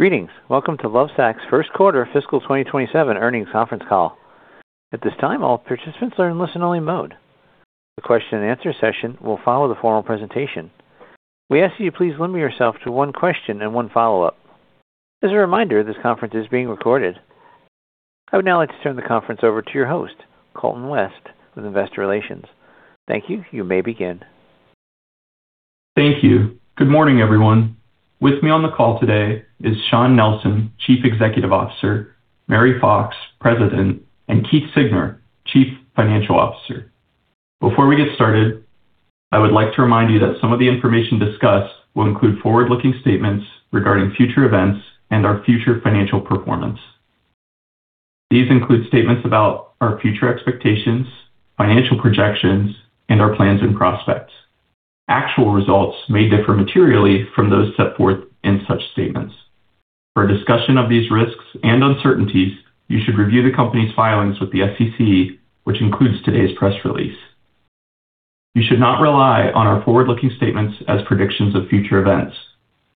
Greetings. Welcome to Lovesac's first quarter fiscal 2027 earnings conference call. At this time, all participants are in listen-only mode. The question and answer session will follow the formal presentation. We ask that you please limit yourself to one question and one follow-up. As a reminder, this conference is being recorded. I would now like to turn the conference over to your host, Caitlin Churchill, with investor relations. Thank you. You may begin. Thank you. Good morning, everyone. With me on the call today is Shawn Nelson, Chief Executive Officer, Mary Fox, President, Keith Siegner, Chief Financial Officer. Before we get started, I would like to remind you that some of the information discussed will include forward-looking statements regarding future events and our future financial performance. These include statements about our future expectations, financial projections, and our plans and prospects. Actual results may differ materially from those set forth in such statements. For a discussion of these risks and uncertainties, you should review the company's filings with the SEC, which includes today's press release. You should not rely on our forward-looking statements as predictions of future events.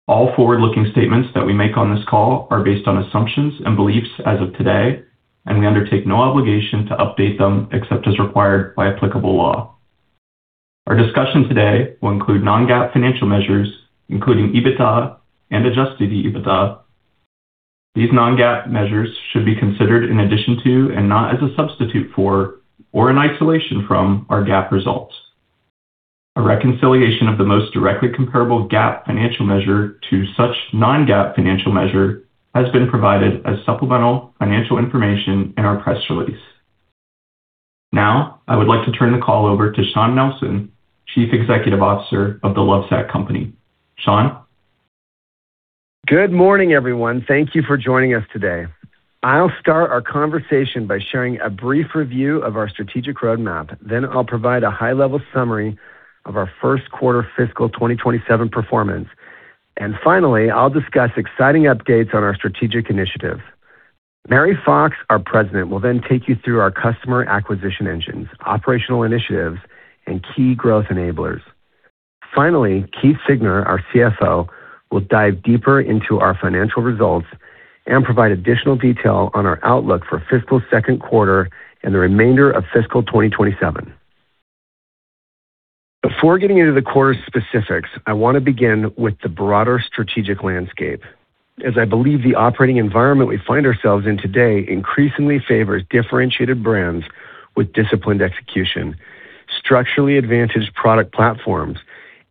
All forward-looking statements that we make on this call are based on assumptions and beliefs as of today, and we undertake no obligation to update them except as required by applicable law. Our discussion today will include non-GAAP financial measures, including EBITDA and adjusted EBITDA. These non-GAAP measures should be considered in addition to, and not as a substitute for, or in isolation from, our GAAP results. A reconciliation of the most directly comparable GAAP financial measure to such non-GAAP financial measure has been provided as supplemental financial information in our press release. Now, I would like to turn the call over to Shawn Nelson, Chief Executive Officer of The Lovesac Company. Shawn. Good morning, everyone. Thank you for joining us today. I'll start our conversation by sharing a brief review of our strategic roadmap. I'll provide a high-level summary of our first quarter fiscal 2027 performance. Finally, I'll discuss exciting updates on our strategic initiatives. Mary Fox, our President, will then take you through our customer acquisition engines, operational initiatives, and key growth enablers. Finally, Keith Siegner, our CFO, will dive deeper into our financial results and provide additional detail on our outlook for fiscal second quarter and the remainder of fiscal 2027. Before getting into the quarter specifics, I want to begin with the broader strategic landscape, as I believe the operating environment we find ourselves in today increasingly favors differentiated brands with disciplined execution, structurally advantaged product platforms,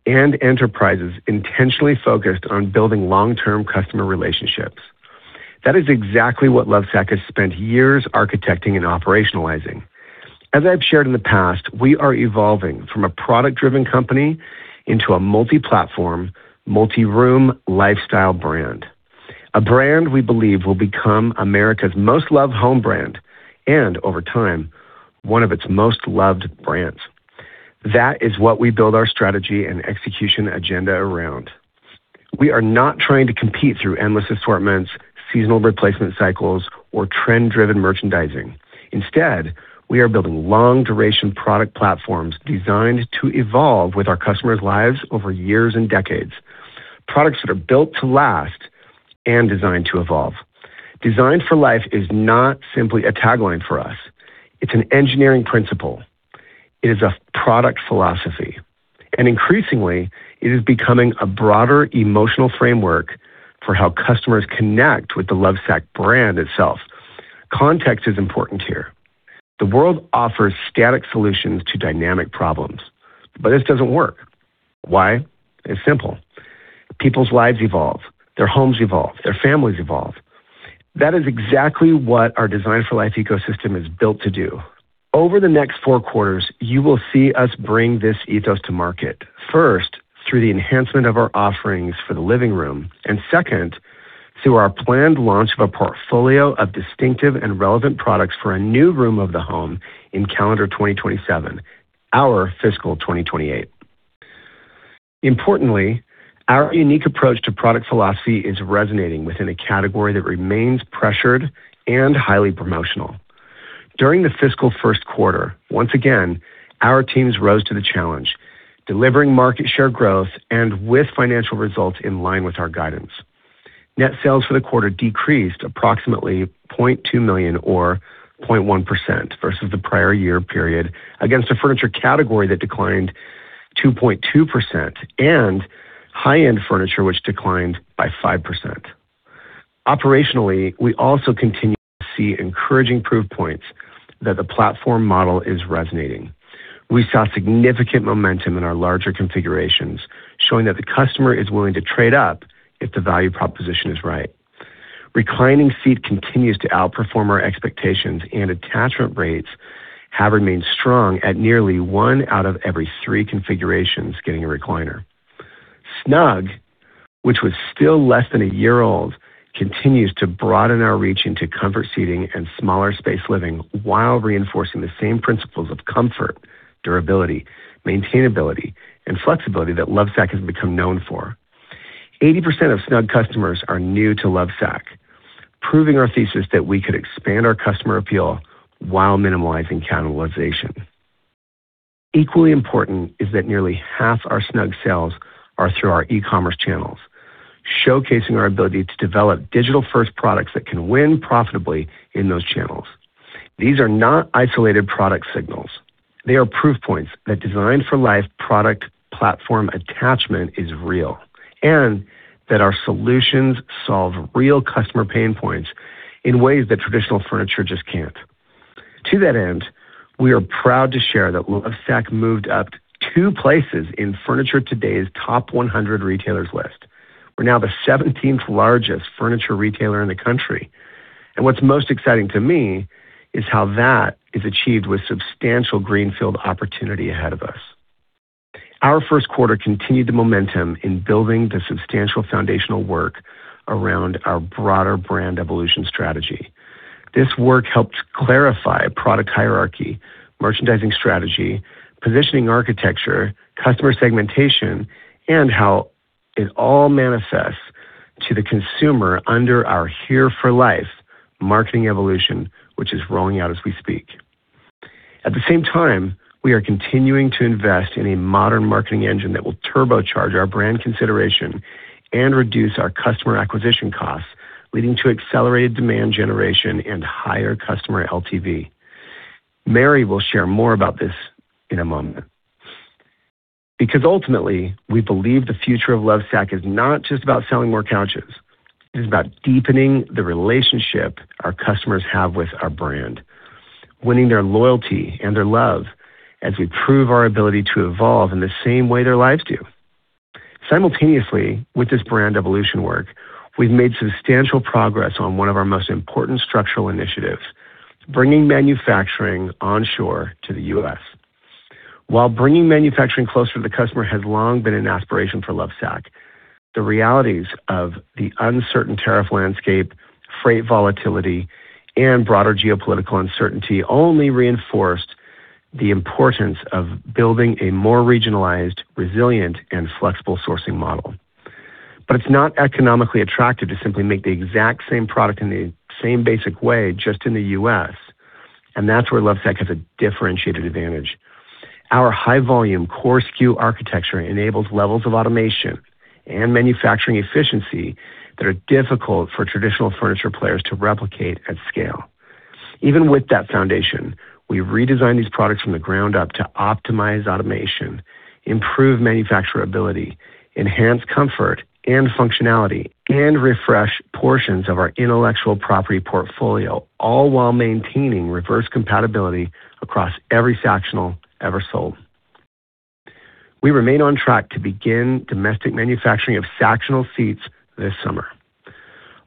and enterprises intentionally focused on building long-term customer relationships. That is exactly what Lovesac has spent years architecting and operationalizing. As I've shared in the past, we are evolving from a product-driven company into a multi-platform, multi-room lifestyle brand. A brand we believe will become America's most loved home brand, and over time, one of its most loved brands. That is what we build our strategy and execution agenda around. We are not trying to compete through endless assortments, seasonal replacement cycles, or trend-driven merchandising. Instead, we are building long-duration product platforms designed to evolve with our customers' lives over years and decades. Products that are built to last and designed to evolve. Designed for Life is not simply a tagline for us. It's an engineering principle. It is a product philosophy. Increasingly, it is becoming a broader emotional framework for how customers connect with the Lovesac brand itself. Context is important here. This doesn't work. Why? It's simple. People's lives evolve, their homes evolve, their families evolve. That is exactly what our Designed for Life ecosystem is built to do. Over the next four quarters, you will see us bring this ethos to market. First, through the enhancement of our offerings for the living room, and second, through our planned launch of a portfolio of distinctive and relevant products for a new room of the home in calendar 2027, our fiscal 2028. Importantly, our unique approach to product philosophy is resonating within a category that remains pressured and highly promotional. During the fiscal first quarter, once again, our teams rose to the challenge, delivering market share growth and with financial results in line with our guidance. Net sales for the quarter decreased approximately $0.2 million or 0.1% versus the prior year period against a furniture category that declined 2.2% and high-end furniture, which declined by 5%. Operationally, we also continue to see encouraging proof points that the platform model is resonating. We saw significant momentum in our larger configurations, showing that the customer is willing to trade up if the value proposition is right. Reclining Seat continues to outperform our expectations, and attachment rates have remained strong at nearly 1 out of every 3 configurations getting a recliner. Snug, which was still less than a year old, continues to broaden our reach into comfort seating and smaller space living while reinforcing the same principles of comfort, durability, maintainability, and flexibility that Lovesac has become known for. 80% of Snug customers are new to Lovesac, proving our thesis that we could expand our customer appeal while minimizing cannibalization. Equally important is that nearly half our Snug sales are through our e-commerce channels, showcasing our ability to develop digital-first products that can win profitably in those channels. These are not isolated product signals. They are proof points that Designed for Life product platform attachment is real, and that our solutions solve real customer pain points in ways that traditional furniture just can't. To that end, we are proud to share that Lovesac moved up two places in Furniture Today's top 100 retailers list. We're now the 17th largest furniture retailer in the country, and what's most exciting to me is how that is achieved with substantial greenfield opportunity ahead of us. Our first quarter continued the momentum in building the substantial foundational work around our broader brand evolution strategy. This work helped clarify product hierarchy, merchandising strategy, positioning architecture, customer segmentation, how it all manifests to the consumer under our Here for Life marketing evolution, which is rolling out as we speak. At the same time, we are continuing to invest in a modern marketing engine that will turbocharge our brand consideration and reduce our customer acquisition costs, leading to accelerated demand generation and higher customer LTV. Mary will share more about this in a moment. Ultimately, we believe the future of Lovesac is not just about selling more couches, it is about deepening the relationship our customers have with our brand, winning their loyalty and their love as we prove our ability to evolve in the same way their lives do. Simultaneously, with this brand evolution work, we've made substantial progress on one of our most important structural initiatives, bringing manufacturing onshore to the U.S. While bringing manufacturing closer to the customer has long been an aspiration for Lovesac, the realities of the uncertain tariff landscape, freight volatility, and broader geopolitical uncertainty only reinforced the importance of building a more regionalized, resilient, and flexible sourcing model. It's not economically attractive to simply make the exact same product in the same basic way, just in the U.S., and that's where Lovesac has a differentiated advantage. Our high-volume, core SKU architecture enables levels of automation and manufacturing efficiency that are difficult for traditional furniture players to replicate at scale. Even with that foundation, we've redesigned these products from the ground up to optimize automation, improve manufacturability, enhance comfort and functionality, and refresh portions of our intellectual property portfolio, all while maintaining reverse compatibility across every Sactional ever sold. We remain on track to begin domestic manufacturing of Sactional seats this summer.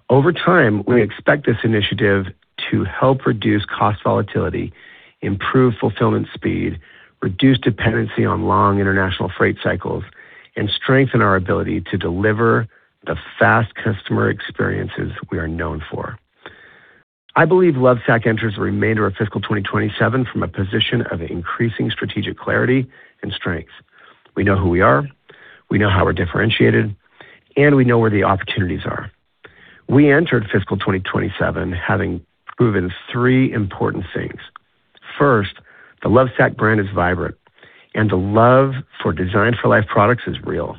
Over time, we expect this initiative to help reduce cost volatility, improve fulfillment speed, reduce dependency on long international freight cycles, and strengthen our ability to deliver the fast customer experiences we are known for. I believe Lovesac enters the remainder of fiscal 2027 from a position of increasing strategic clarity and strength. We know who we are, we know how we're differentiated, and we know where the opportunities are. We entered fiscal 2027 having proven three important things. First, the Lovesac brand is vibrant, and the love for Designed for Life products is real.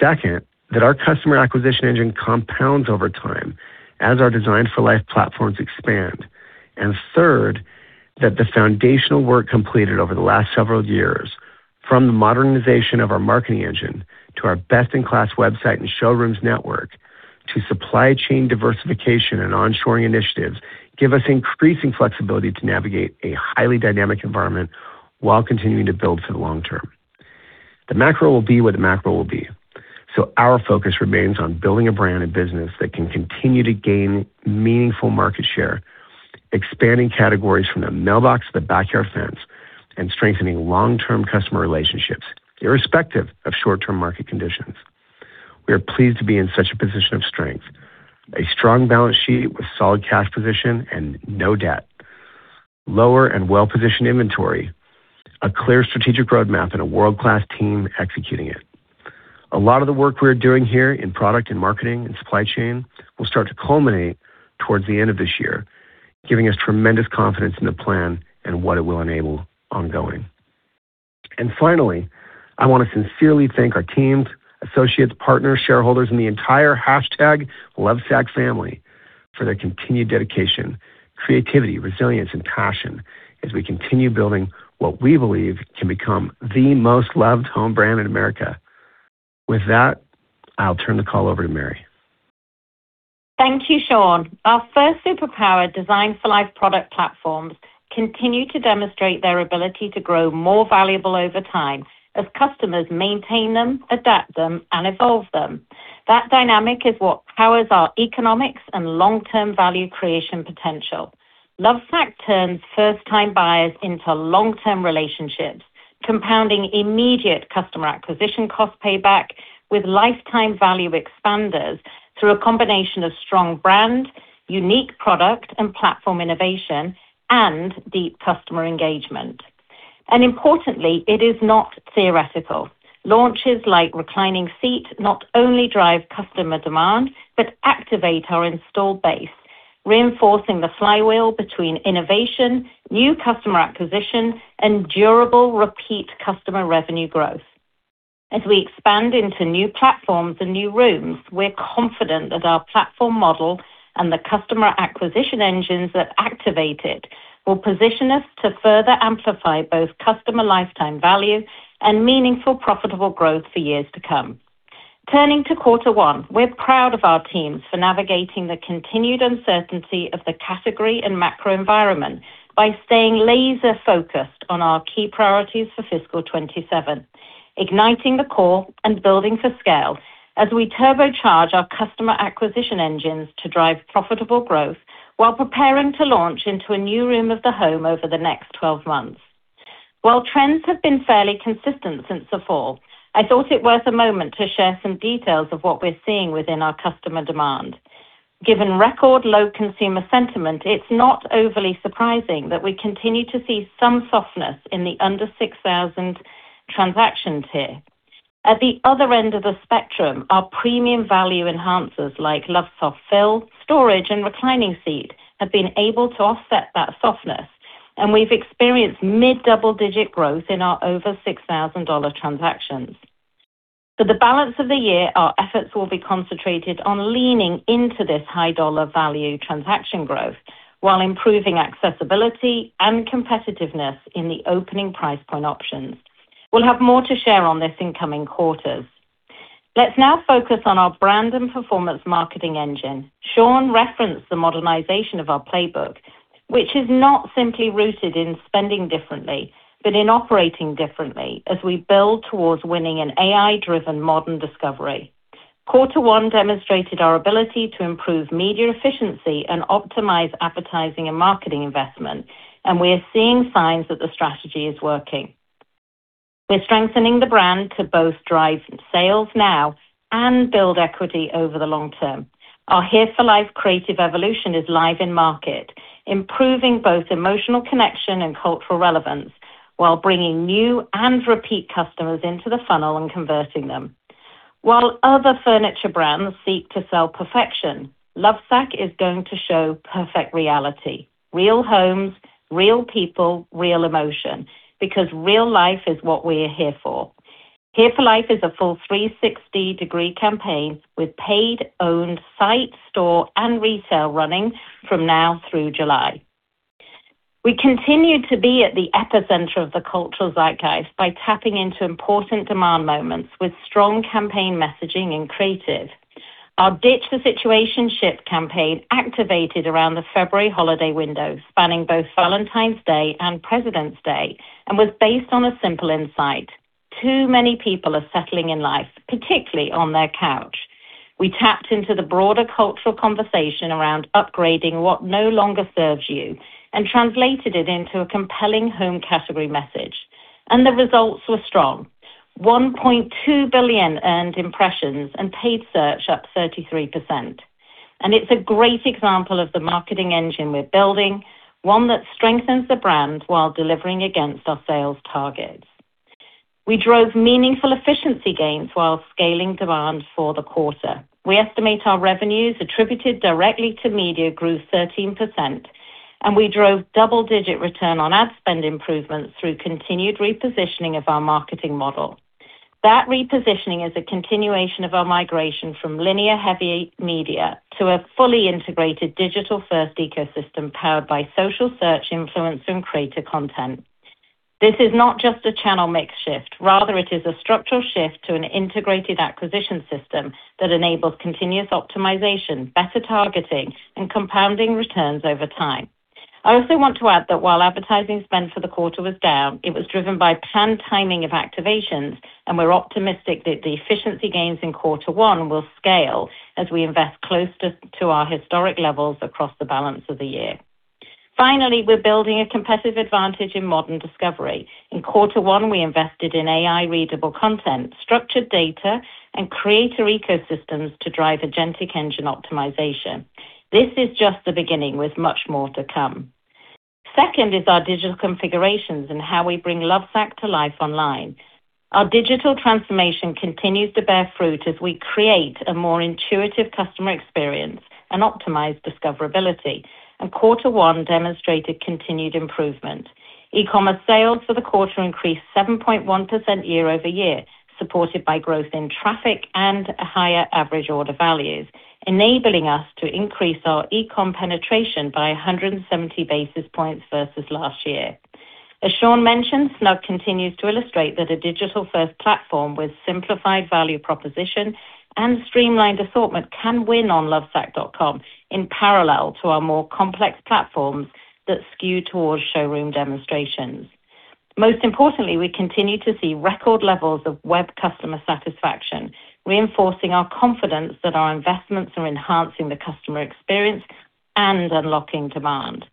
Second, that our customer acquisition engine compounds over time as our Designed for Life platforms expand. Third, that the foundational work completed over the last several years, from the modernization of our marketing engine, to our best-in-class website and showrooms network, to supply chain diversification and onshoring initiatives, give us increasing flexibility to navigate a highly dynamic environment while continuing to build for the long term. The macro will be what the macro will be, our focus remains on building a brand and business that can continue to gain meaningful market share, expanding categories from the mailbox to the backyard fence, and strengthening long-term customer relationships irrespective of short-term market conditions. We are pleased to be in such a position of strength, a strong balance sheet with solid cash position and no debt, lower and well-positioned inventory, a clear strategic roadmap, and a world-class team executing it. A lot of the work we're doing here in product and marketing and supply chain will start to culminate towards the end of this year, giving us tremendous confidence in the plan and what it will enable ongoing. Finally, I want to sincerely thank our teams, associates, partners, shareholders, and the entire #LovesacFamily for their continued dedication, creativity, resilience, and passion as we continue building what we believe can become the most loved home brand in America. With that, I'll turn the call over to Mary. Thank you, Shawn. Our first superpower Designed for Life product platforms continue to demonstrate their ability to grow more valuable over time as customers maintain them, adapt them, and evolve them. That dynamic is what powers our economics and long-term value creation potential. Lovesac turns first-time buyers into long-term relationships, compounding immediate customer acquisition cost payback with lifetime value expanders through a combination of strong brand, unique product and platform innovation, and deep customer engagement. Importantly, it is not theoretical. Launches like reclining seat not only drive customer demand but activate our installed base, reinforcing the flywheel between innovation, new customer acquisition, and durable repeat customer revenue growth. As we expand into new platforms and new rooms, we're confident that our platform model and the customer acquisition engines that activate it will position us to further amplify both customer lifetime value and meaningful profitable growth for years to come. Turning to quarter one, we're proud of our teams for navigating the continued uncertainty of the category and macro environment by staying laser focused on our key priorities for fiscal 2027, igniting the core and building for scale as we turbocharge our customer acquisition engines to drive profitable growth while preparing to launch into a new room of the home over the next 12 months. While trends have been fairly consistent since the fall, I thought it worth a moment to share some details of what we're seeing within our customer demand. Given record low consumer sentiment, it's not overly surprising that we continue to see some softness in the under $6,000 transactions here. At the other end of the spectrum, our premium value enhancers like Lovesoft Fill, storage, and reclining seat have been able to offset that softness, and we've experienced mid double-digit growth in our over $6,000 transactions. For the balance of the year, our efforts will be concentrated on leaning into this high dollar value transaction growth while improving accessibility and competitiveness in the opening price point options. We'll have more to share on this in coming quarters. Let's now focus on our brand and performance marketing engine. Shawn referenced the modernization of our playbook, which is not simply rooted in spending differently, but in operating differently as we build towards winning an AI-driven modern discovery. Quarter one demonstrated our ability to improve media efficiency and optimize advertising and marketing investment, and we are seeing signs that the strategy is working. We're strengthening the brand to both drive sales now and build equity over the long term. Our Here for Life creative evolution is live in market, improving both emotional connection and cultural relevance while bringing new and repeat customers into the funnel and converting them. While other furniture brands seek to sell perfection, Lovesac is going to show perfect reality. Real homes, real people, real emotion, because real life is what we are here for. Here for Life is a full 360-degree campaign with paid, owned site, store, and retail running from now through July. We continue to be at the epicenter of the cultural zeitgeist by tapping into important demand moments with strong campaign messaging and creative. Our Ditch the Situationship campaign activated around the February holiday window, spanning both Valentine's Day and President's Day, and was based on a simple insight. Too many people are settling in life, particularly on their couch. We tapped into the broader cultural conversation around upgrading what no longer serves you and translated it into a compelling home category message, and the results were strong. 1.2 billion earned impressions and paid search up 33%. It's a great example of the marketing engine we're building, one that strengthens the brand while delivering against our sales targets. We drove meaningful efficiency gains while scaling demand for the quarter. We estimate our revenues attributed directly to media grew 13%, and we drove double-digit return on ad spend improvements through continued repositioning of our marketing model. That repositioning is a continuation of our migration from linear-heavy media to a fully integrated digital-first ecosystem powered by social search influence and creator content. This is not just a channel mix shift. Rather, it is a structural shift to an integrated acquisition system that enables continuous optimization, better targeting, and compounding returns over time. I also want to add that while advertising spend for the quarter was down, it was driven by planned timing of activations, and we're optimistic that the efficiency gains in quarter one will scale as we invest close to our historic levels across the balance of the year. Finally, we're building a competitive advantage in modern discovery. In quarter one, we invested in AI-readable content, structured data, and creator ecosystems to drive agentic engine optimization. This is just the beginning, with much more to come. Second is our digital configurations and how we bring Lovesac to life online. Our digital transformation continues to bear fruit as we create a more intuitive customer experience and optimize discoverability, and quarter one demonstrated continued improvement. E-commerce sales for the quarter increased 7.1% year-over-year, supported by growth in traffic and higher average order values, enabling us to increase our e-com penetration by 170 basis points versus last year. As Shawn mentioned, Snug continues to illustrate that a digital-first platform with simplified value proposition and streamlined assortment can win on lovesac.com in parallel to our more complex platforms that skew towards showroom demonstrations. Most importantly, we continue to see record levels of web customer satisfaction, reinforcing our confidence that our investments are enhancing the customer experience and unlocking demand.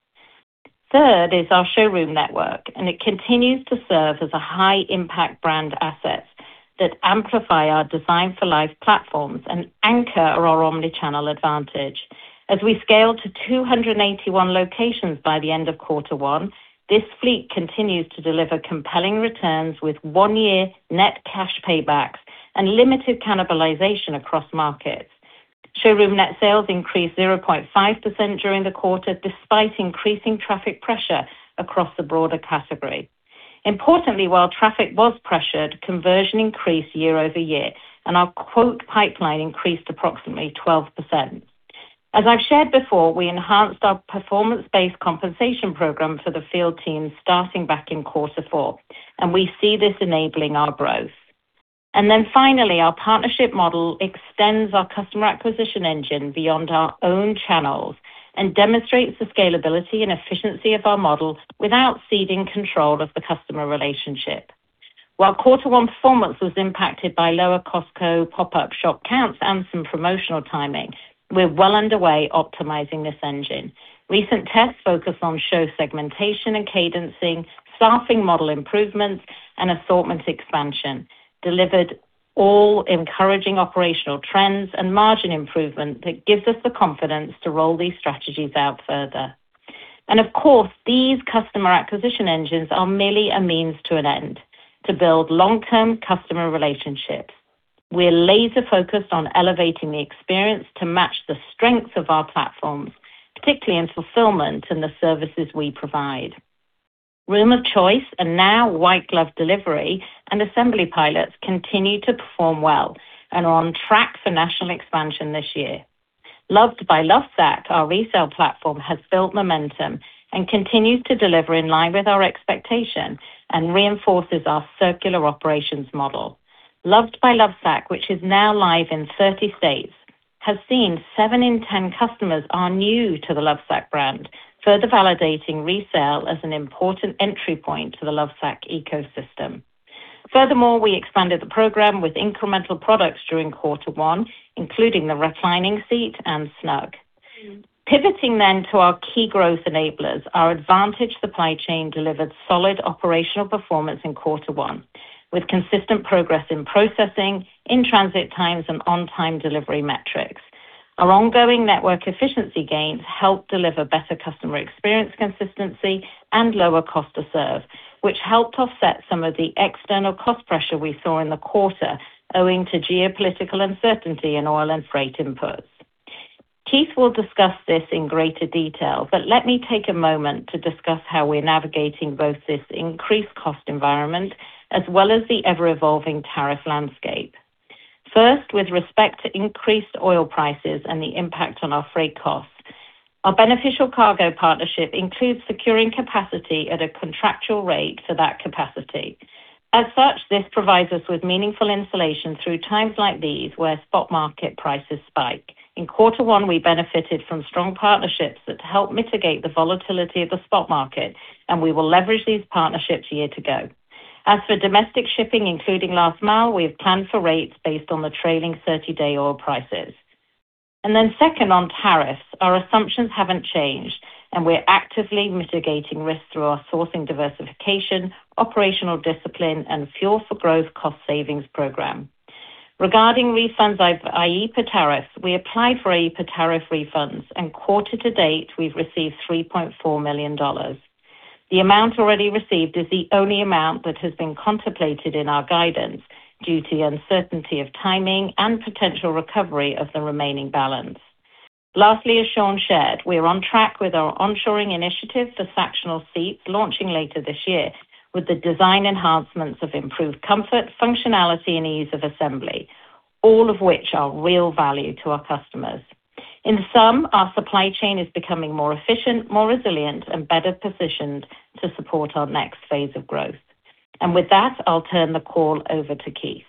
Third is our showroom network, and it continues to serve as a high impact brand asset that amplify our Designed for Life platforms and anchor our omni-channel advantage. As we scale to 281 locations by the end of quarter one, this fleet continues to deliver compelling returns with one year net cash paybacks. Limited cannibalization across markets. Showroom net sales increased 0.5% during the quarter, despite increasing traffic pressure across the broader category. Importantly, while traffic was pressured, conversion increased year-over-year, and our quote pipeline increased approximately 12%. As I've shared before, we enhanced our performance-based compensation program for the field team starting back in quarter four, thus enabling our growth. Finally, our partnership model extends our customer acquisition engine beyond our own channels and demonstrates the scalability and efficiency of our model without ceding control of the customer relationship. While quarter one performance was impacted by lower Costco pop-up shop counts and some promotional timing, we're well underway optimizing this engine. Recent tests focused on show segmentation and cadencing, staffing model improvements, and assortment expansion, delivered all encouraging operational trends and margin improvement that gives us the confidence to roll these strategies out further. Of course, these customer acquisition engines are merely a means to an end to build long-term customer relationships. We're laser-focused on elevating the experience to match the strengths of our platforms, particularly in fulfillment and the services we provide. Room of Choice and now white glove delivery and assembly pilots continue to perform well and are on track for national expansion this year. Loved by Lovesac, our resale platform, has built momentum and continues to deliver in line with our expectation and reinforces our circular operations model. Loved by Lovesac, which is now live in 30 states, has seen 7 in 10 customers are new to the Lovesac brand, further validating resale as an important entry point to the Lovesac ecosystem. Furthermore, we expanded the program with incremental products during quarter one, including the reclining seat and Snug. Pivoting to our key growth enablers, our advantage supply chain delivered solid operational performance in quarter one with consistent progress in processing, in-transit times, and on-time delivery metrics. Our ongoing network efficiency gains helped deliver better customer experience consistency and lower cost to serve, which helped offset some of the external cost pressure we saw in the quarter owing to geopolitical uncertainty in oil and freight inputs. Keith will discuss this in greater detail, but let me take a moment to discuss how we're navigating both this increased cost environment as well as the ever-evolving tariff landscape. First, with respect to increased oil prices and the impact on our freight costs, our beneficial cargo partnership includes securing capacity at a contractual rate for that capacity. Such, this provides us with meaningful insulation through times like these, where spot market prices spike. In quarter one, we benefited from strong partnerships that help mitigate the volatility of the spot market, we will leverage these partnerships year to go. As for domestic shipping, including last mile, we have planned for rates based on the trailing 30-day oil prices. Second, on tariffs, our assumptions haven't changed, we're actively mitigating risk through our sourcing diversification, operational discipline, and Fuel for Growth cost savings program. Regarding refunds, i.e., per tariffs, we applied for a per-tariff refunds, quarter to date, we've received $3.4 million. The amount already received is the only amount that has been contemplated in our guidance due to the uncertainty of timing and potential recovery of the remaining balance. Lastly, as Shawn shared, we are on track with our onshoring initiative for Sactional seats launching later this year with the design enhancements of improved comfort, functionality, and ease of assembly, all of which are real value to our customers. In sum, our supply chain is becoming more efficient, more resilient, and better positioned to support our next phase of growth. With that, I'll turn the call over to Keith.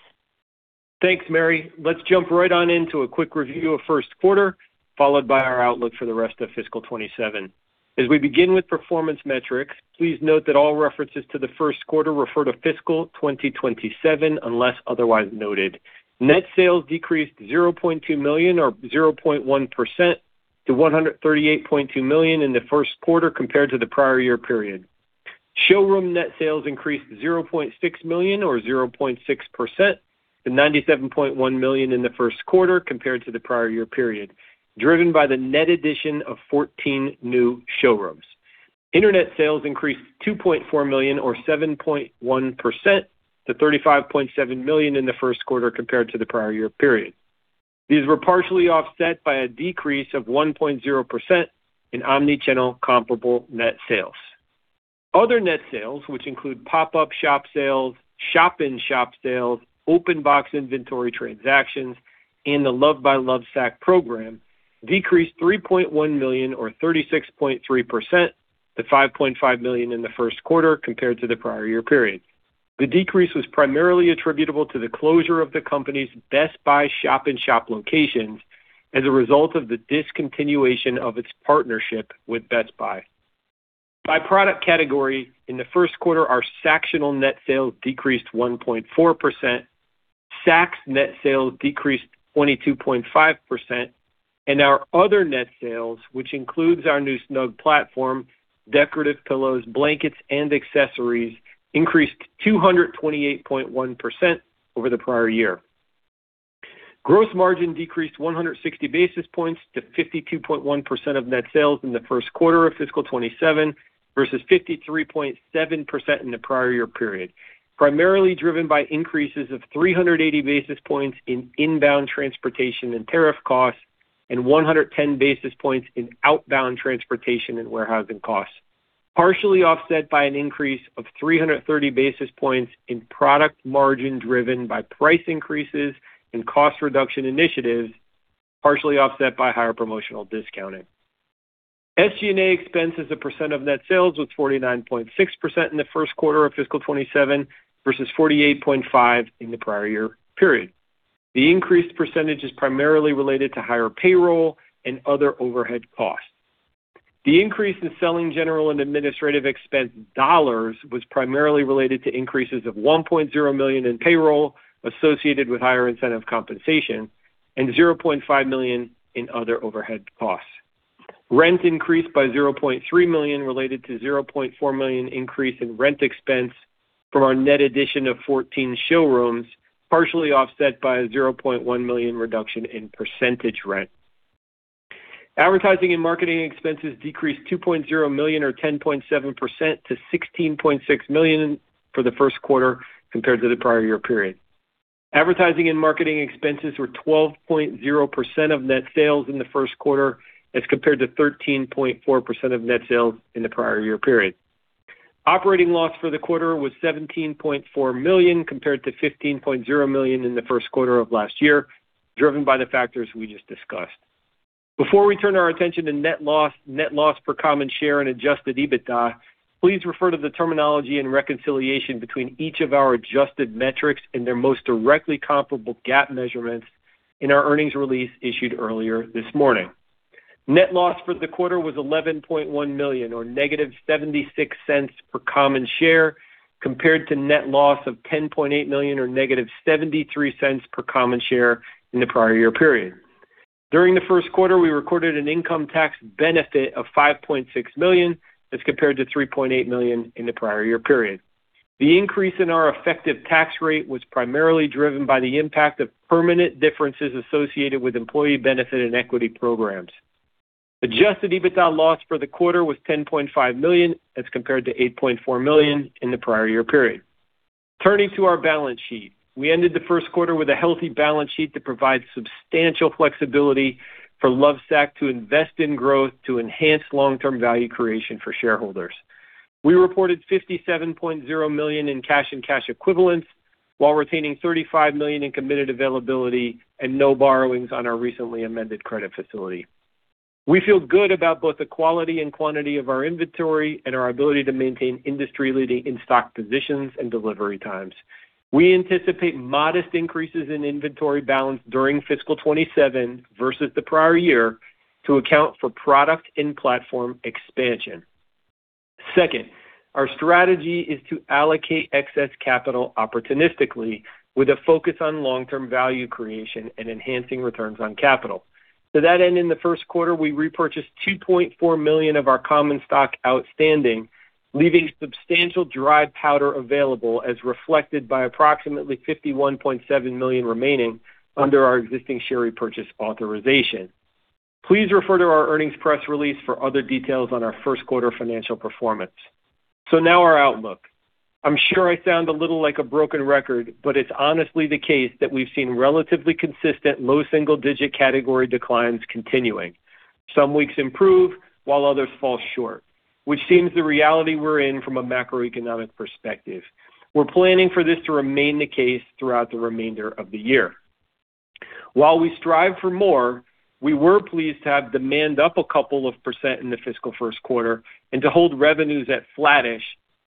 Thanks, Mary. Let's jump right on in to a quick review of first quarter, followed by our outlook for the rest of fiscal 2027. As we begin with performance metrics, please note that all references to the first quarter refer to fiscal 2027 unless otherwise noted. Net sales decreased $0.2 million or 0.1% to $138.2 million in the first quarter compared to the prior year period. Showroom net sales increased to $0.6 million or 0.6% to $97.1 million in the first quarter compared to the prior year period, driven by the net addition of 14 new showrooms. Internet sales increased $2.4 million or 7.1% to $35.7 million in the first quarter compared to the prior year period. These were partially offset by a decrease of 1.0% in omni-channel comparable net sales. Other net sales, which include pop-up shop sales, shop in shop sales, open box inventory transactions, and the Loved by Lovesac program, decreased $3.1 million or 36.3% to $5.5 million in the first quarter compared to the prior year period. The decrease was primarily attributable to the closure of the company's Best Buy shop in shop locations as a result of the discontinuation of its partnership with Best Buy. By product category, in the first quarter, our Sactional net sales decreased 1.4%, Sacs net sales decreased 22.5%, and our other net sales, which includes our new Snug platform, decorative pillows, blankets, and accessories, increased 228.1% over the prior year. Gross margin decreased 160 basis points to 52.1% of net sales in the first quarter of fiscal 2027, versus 53.7% in the prior year period, primarily driven by increases of 380 basis points in inbound transportation and tariff costs, and 110 basis points in outbound transportation and warehousing costs, partially offset by an increase of 330 basis points in product margin driven by price increases and cost reduction initiatives, partially offset by higher promotional discounting. SG&A expense as a percent of net sales was 49.6% in the first quarter of fiscal 2027, versus 48.5% in the prior year period. The increased percentage is primarily related to higher payroll and other overhead costs. The increase in selling general and administrative expense dollars was primarily related to increases of $1.0 million in payroll associated with higher incentive compensation and $0.5 million in other overhead costs. Rent increased by $0.3 million related to $0.4 million increase in rent expense from our net addition of 14 showrooms, partially offset by a $0.1 million reduction in percentage rent. Advertising and marketing expenses decreased $2.0 million or 10.7% to $16.6 million for the first quarter compared to the prior year period. Advertising and marketing expenses were 12.0% of net sales in the first quarter as compared to 13.4% of net sales in the prior year period. Operating loss for the quarter was $17.4 million compared to $15.0 million in the first quarter of last year, driven by the factors we just discussed. Before we turn our attention to net loss per common share and adjusted EBITDA, please refer to the terminology and reconciliation between each of our adjusted metrics and their most directly comparable GAAP measurements in our earnings release issued earlier this morning. Net loss for the quarter was $11.1 million, or negative $0.76 per common share, compared to net loss of $10.8 million, or negative $0.73 per common share in the prior year period. During the first quarter, we recorded an income tax benefit of $5.6 million as compared to $3.8 million in the prior year period. The increase in our effective tax rate was primarily driven by the impact of permanent differences associated with employee benefit and equity programs. Adjusted EBITDA loss for the quarter was $10.5 million as compared to $8.4 million in the prior year period. Turning to our balance sheet. We ended the first quarter with a healthy balance sheet that provides substantial flexibility for Lovesac to invest in growth to enhance long-term value creation for shareholders. We reported $57.0 million in cash and cash equivalents while retaining $35 million in committed availability and no borrowings on our recently amended credit facility. We feel good about both the quality and quantity of our inventory and our ability to maintain industry-leading in-stock positions and delivery times. We anticipate modest increases in inventory balance during fiscal 2027 versus the prior year to account for product and platform expansion. Second, our strategy is to allocate excess capital opportunistically with a focus on long-term value creation and enhancing returns on capital. To that end, in the first quarter, we repurchased $2.4 million of our common stock outstanding, leaving substantial dry powder available as reflected by approximately $51.7 million remaining under our existing share repurchase authorization. Please refer to our earnings press release for other details on our first quarter financial performance. Now our outlook. I'm sure I sound a little like a broken record, it's honestly the case that we've seen relatively consistent low single-digit category declines continuing. Some weeks improve while others fall short, which seems the reality we're in from a macroeconomic perspective. We're planning for this to remain the case throughout the remainder of the year. While we strive for more, we were pleased to have demand up a couple of percent in the fiscal first quarter and to hold revenues at flattish,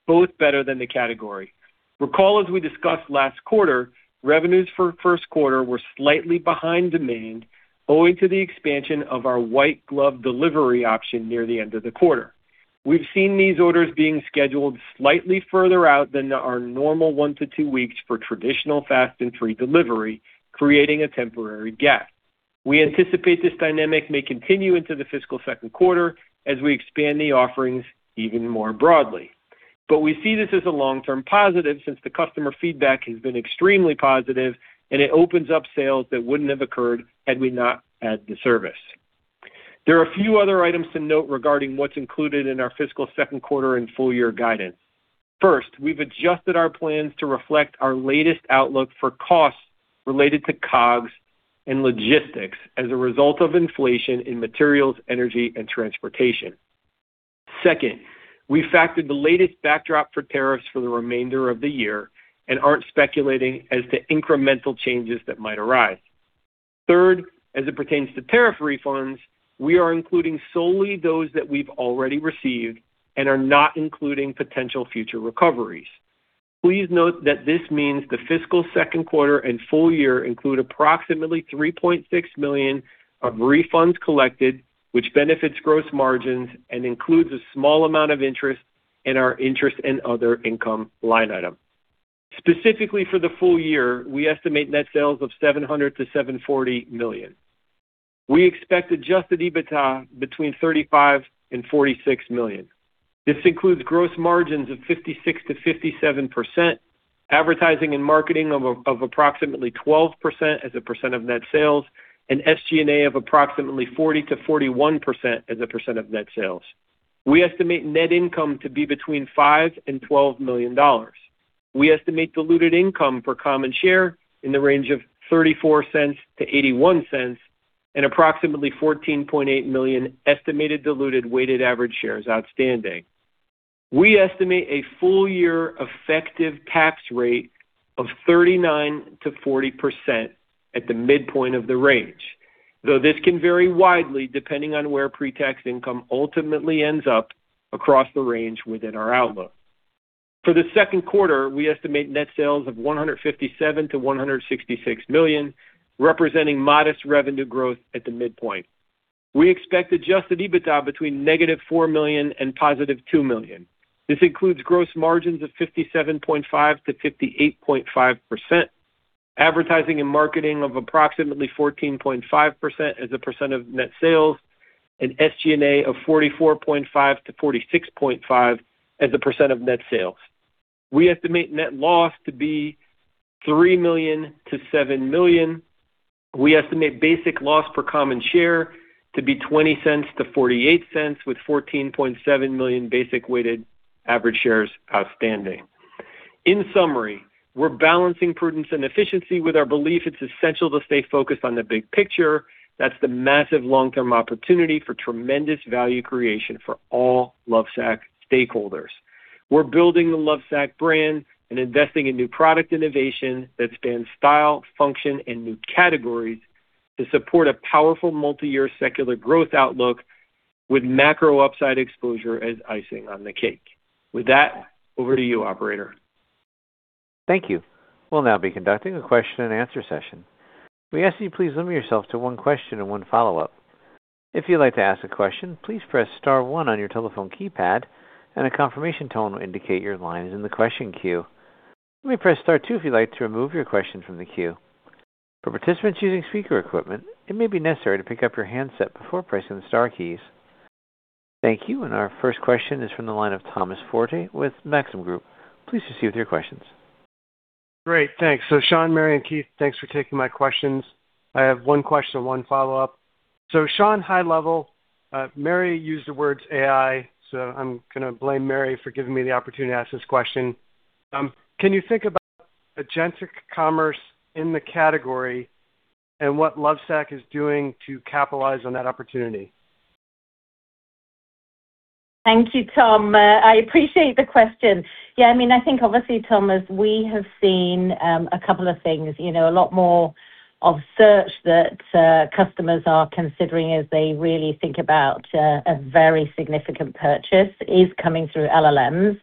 both better than the category. Recall, as we discussed last quarter, revenues for first quarter were slightly behind demand owing to the expansion of our white glove delivery option near the end of the quarter. We've seen these orders being scheduled slightly further out than our normal one to two weeks for traditional fast and free delivery, creating a temporary gap. We anticipate this dynamic may continue into the fiscal second quarter as we expand the offerings even more broadly. We see this as a long-term positive since the customer feedback has been extremely positive, and it opens up sales that wouldn't have occurred had we not had the service. There are a few other items to note regarding what's included in our fiscal second quarter and full year guidance. First, we've adjusted our plans to reflect our latest outlook for costs related to COGS and logistics as a result of inflation in materials, energy, and transportation. Second, we factored the latest backdrop for tariffs for the remainder of the year and aren't speculating as to incremental changes that might arise. Third, as it pertains to tariff refunds, we are including solely those that we've already received and are not including potential future recoveries. Please note that this means the fiscal second quarter and full year include approximately $3.6 million of refunds collected, which benefits gross margins and includes a small amount of interest in our interest and other income line item. Specifically for the full year, we estimate net sales of $700 million-$740 million. We expect adjusted EBITDA between $35 million and $46 million. This includes gross margins of 56%-57%, advertising and marketing of approximately 12% as a percent of net sales, and SG&A of approximately 40%-41% as a percent of net sales. We estimate net income to be between $5 million and $12 million. We estimate diluted income per common share in the range of $0.34 to $0.81 and approximately 14.8 million in estimated diluted weighted average shares outstanding. We estimate a full-year effective tax rate of 39%-40% at the midpoint of the range, though this can vary widely depending on where pre-tax income ultimately ends up across the range within our outlook. For the second quarter, we estimate net sales of $157 million-$166 million, representing modest revenue growth at the midpoint. We expect adjusted EBITDA between negative $4 million and positive $2 million. This includes gross margins of 57.5%-58.5%, advertising and marketing of approximately 14.5% as a percent of net sales, and SG&A of 44.5%-46.5% as a percent of net sales. We estimate net loss to be $3 million-$7 million. We estimate basic loss per common share to be $0.20 to $0.48, with 14.7 million basic weighted average shares outstanding. In summary, we're balancing prudence and efficiency with our belief it's essential to stay focused on the big picture. That's the massive long-term opportunity for tremendous value creation for all Lovesac stakeholders. We're building the Lovesac brand and investing in new product innovation that spans style, function, and new categories to support a powerful multiyear secular growth outlook with macro upside exposure as icing on the cake. With that, over to you, operator. Thank you. We'll now be conducting a question and answer session. We ask that you please limit yourself to one question and one follow-up. If you'd like to ask a question, please press *1 on your telephone keypad, and a confirmation tone will indicate your line is in the question queue. You may press *2 if you'd like to remove your question from the queue. For participants using speaker equipment, it may be necessary to pick up your handset before pressing the * keys. Thank you. Our first question is from the line of Thomas Forte with Maxim Group. Please proceed with your questions. Great. Thanks. Shawn, Mary, and Keith, thanks for taking my questions. I have one question and one follow-up. Shawn, high level, Mary used the words AI, so I'm going to blame Mary for giving me the opportunity to ask this question. Can you think about agentic commerce in the category and what Lovesac is doing to capitalize on that opportunity? Thank you, Tom. I appreciate the question. I think obviously, Tom, as we have seen a couple of things. A lot more of search that customers are considering as they really think about a very significant purchase is coming through LLMs.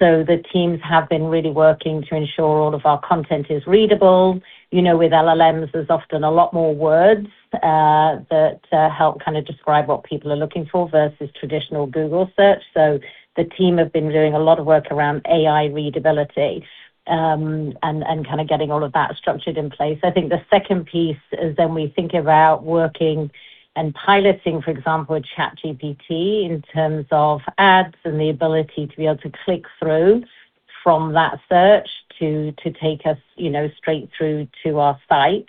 The teams have been really working to ensure all of our content is readable. With LLMs, there's often a lot more words that help kind of describe what people are looking for versus traditional Google search. The team have been doing a lot of work around AI readability, and kind of getting all of that structured in place. I think the second piece is when we think about working and piloting, for example, ChatGPT in terms of ads and the ability to be able to click through from that search to take us straight through to our site.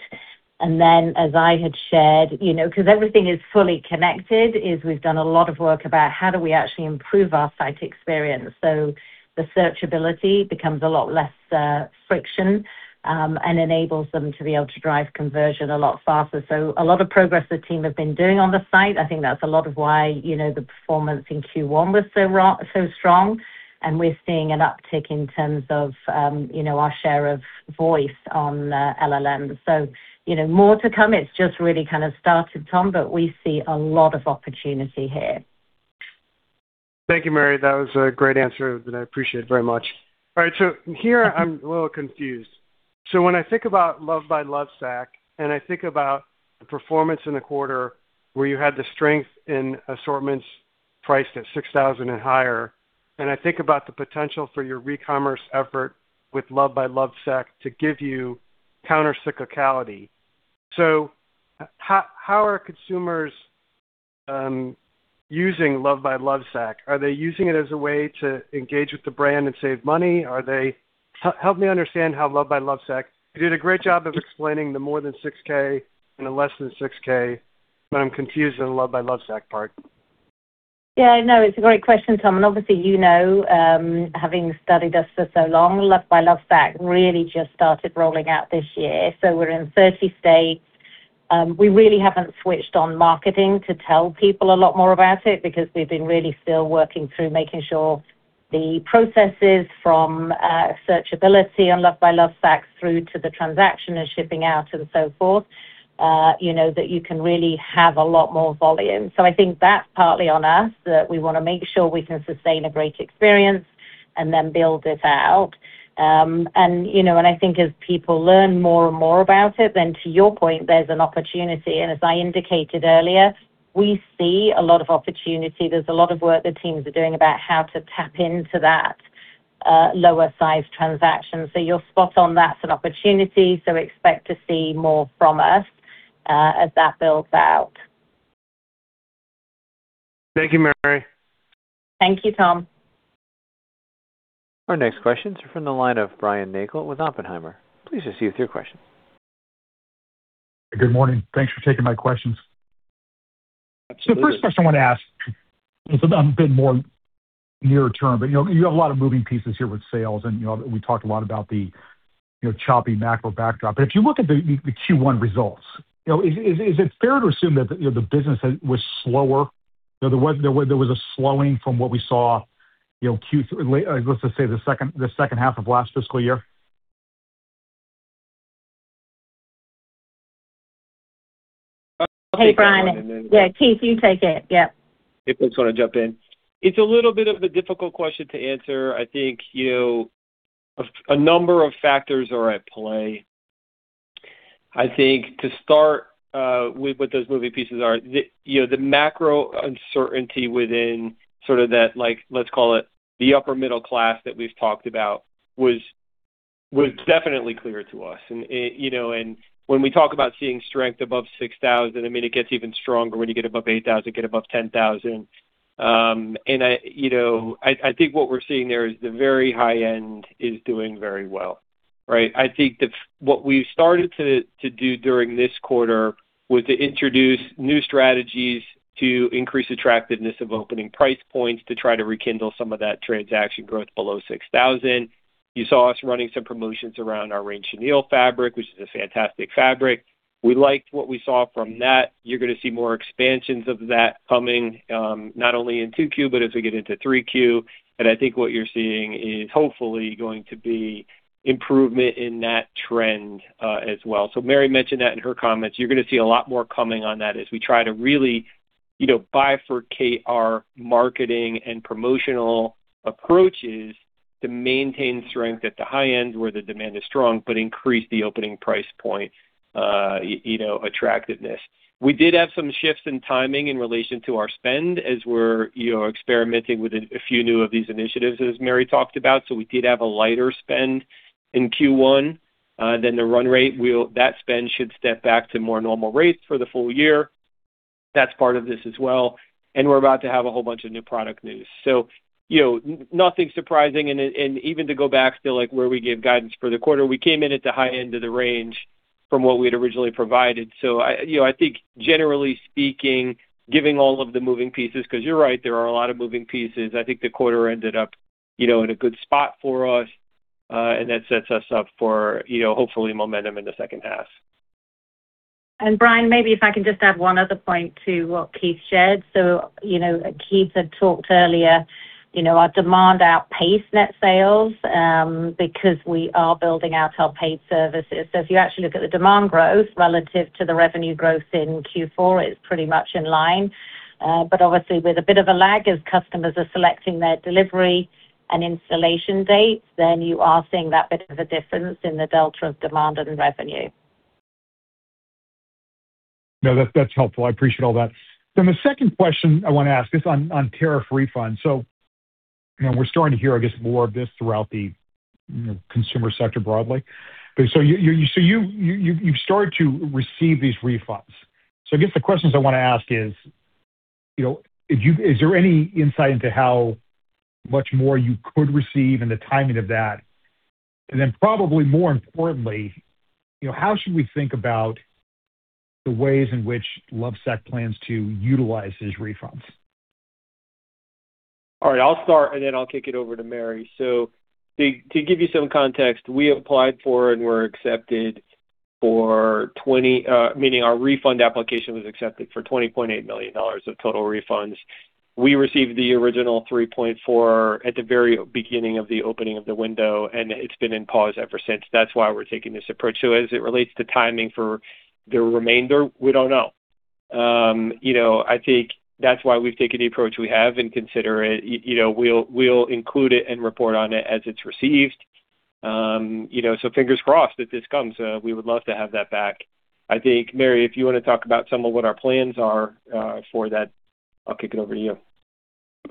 As I had shared, because everything is fully connected, is we've done a lot of work about how do we actually improve our site experience. The search ability becomes a lot less friction, and enables them to be able to drive conversion a lot faster. A lot of progress the team have been doing on the site. I think that's a lot of why the performance in Q1 was so strong, and we're seeing an uptick in terms of our share of voice on LLMs. More to come. It's just really kind of started, Tom, but we see a lot of opportunity here. Thank you, Mary. That was a great answer that I appreciate very much. All right, here I'm a little confused. When I think about Loved by Lovesac and I think about the performance in the quarter where you had the strength in assortments priced at $6,000 and higher, and I think about the potential for your recommerce effort with Loved by Lovesac to give you counter-cyclicality. How are consumers using Loved by Lovesac? Are they using it as a way to engage with the brand and save money? Help me understand how Loved by Lovesac. You did a great job of explaining the more than $6K and the less than $6K, but I'm confused on the Loved by Lovesac part. Yeah, I know. It's a great question, Tom. Obviously, you know, having studied us for so long, Loved by Lovesac really just started rolling out this year. We're in 30 states. We really haven't switched on marketing to tell people a lot more about it because we've been really still working through making sure the processes from search ability on Loved by Lovesac through to the transaction and shipping out and so forth, that you can really have a lot more volume. I think that's partly on us, that we want to make sure we can sustain a great experience and then build it out. I think as people learn more and more about it, then to your point, there's an opportunity. As I indicated earlier, we see a lot of opportunity. There's a lot of work the teams are doing about how to tap into that lower size transactions. You're spot on. That's an opportunity. Expect to see more from us as that builds out. Thank you, Mary. Thank you, Tom. Our next questions are from the line of Brian Nagel with Oppenheimer. Please proceed with your question. Good morning. Thanks for taking my questions. Absolutely. The first question I want to ask is about a bit more near term, you have a lot of moving pieces here with sales, and we talked a lot about the choppy macro backdrop. If you look at the Q1 results, is it fair to assume that the business was slower? There was a slowing from what we saw, let's just say the second half of last fiscal year? Hey, Brian. Yeah, Keith, you take it. Yeah. If I just want to jump in. It's a little bit of a difficult question to answer. I think a number of factors are at play. I think to start with what those moving pieces are, the macro uncertainty within sort of that, let's call it the upper middle class that we've talked about, was definitely clear to us. When we talk about seeing strength above $6,000, it gets even stronger when you get above $8,000, get above $10,000. I think what we're seeing there is the very high end is doing very well. Right? I think that what we've started to do during this quarter was to introduce new strategies to increase attractiveness of opening price points to try to rekindle some of that transaction growth below $6,000. You saw us running some promotions around our Range Chenille fabric, which is a fantastic fabric. We liked what we saw from that. You're going to see more expansions of that coming, not only in Q2, but as we get into Q3. I think what you're seeing is hopefully going to be improvement in that trend as well. Mary mentioned that in her comments. You're going to see a lot more coming on that as we try to really bifurcate our marketing and promotional approaches to maintain strength at the high end where the demand is strong, but increase the opening price point attractiveness. We did have some shifts in timing in relation to our spend as we're experimenting with a few new of these initiatives, as Mary talked about. We did have a lighter spend in Q1 than the run rate. That spend should step back to more normal rates for the full year. That's part of this as well. We're about to have a whole bunch of new product news. Nothing surprising. Even to go back to where we gave guidance for the quarter, we came in at the high end of the range from what we had originally provided. I think generally speaking, giving all of the moving pieces, because you're right, there are a lot of moving pieces. I think the quarter ended up in a good spot for us, and that sets us up for hopefully momentum in the second half. Brian, maybe if I can just add one other point to what Keith shared. Keith had talked earlier, our demand outpaced net sales, because we are building out our paid services. If you actually look at the demand growth relative to the revenue growth in Q4, it is pretty much in line. Obviously with a bit of a lag as customers are selecting their delivery and installation dates, you are seeing that bit of a difference in the delta of demand and revenue. No, that is helpful. I appreciate all that. The second question I want to ask is on tariff refunds. We are starting to hear, I guess, more of this throughout the consumer sector broadly. You have started to receive these refunds. I guess the questions I want to ask is there any insight into how much more you could receive and the timing of that? Then probably more importantly, how should we think about the ways in which Lovesac plans to utilize these refunds? All right, I will start, and then I will kick it over to Mary. To give you some context, we applied for and were accepted for $20.8 million of total refunds. We received the original $3.4 million at the very beginning of the opening of the window, and it has been in pause ever since. That is why we are taking this approach. As it relates to timing for the remainder, we do not know. I think that is why we have taken the approach we have and consider it. We will include it and report on it as it is received. Fingers crossed that this comes. We would love to have that back. I think, Mary, if you want to talk about some of what our plans are for that, I will kick it over to you.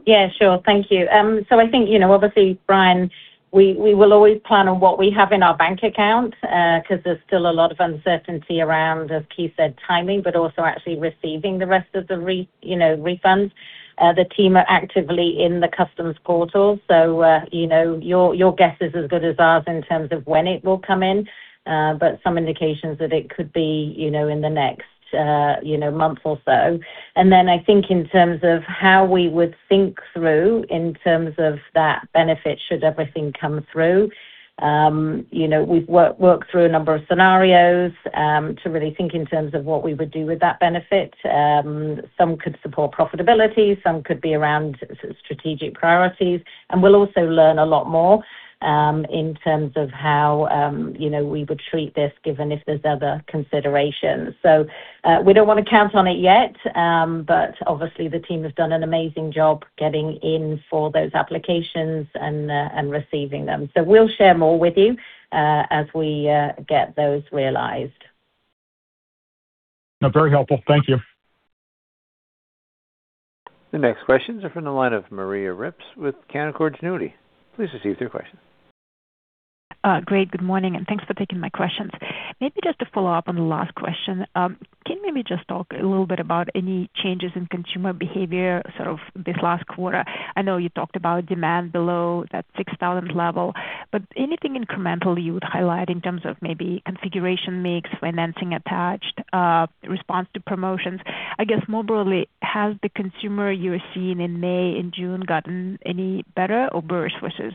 Yeah, sure. Thank you. I think, obviously, Brian, we will always plan on what we have in our bank account, because there is still a lot of uncertainty around, as Keith said, timing, but also actually receiving the rest of the refunds. The team are actively in the customs portal. Your guess is as good as ours in terms of when it will come in, but some indications that it could be in the next month or so. Then I think in terms of how we would think through in terms of that benefit should everything come through, we have worked through a number of scenarios, to really think in terms of what we would do with that benefit. Some could support profitability, some could be around strategic priorities. We will also learn a lot more, in terms of how we would treat this given if there is other considerations. We don't want to count on it yet. Obviously the team has done an amazing job getting in for those applications and receiving them. We'll share more with you as we get those realized. Very helpful. Thank you. The next questions are from the line of Maria Ripps with Canaccord Genuity. Please proceed with your question. Great. Good morning, thanks for taking my questions. Just to follow up on the last question, can you just talk a little bit about any changes in consumer behavior sort of this last quarter? I know you talked about demand below that 6,000 level, anything incremental you would highlight in terms of maybe configuration mix, financing attached, response to promotions? More broadly, has the consumer you were seeing in May and June gotten any better or worse versus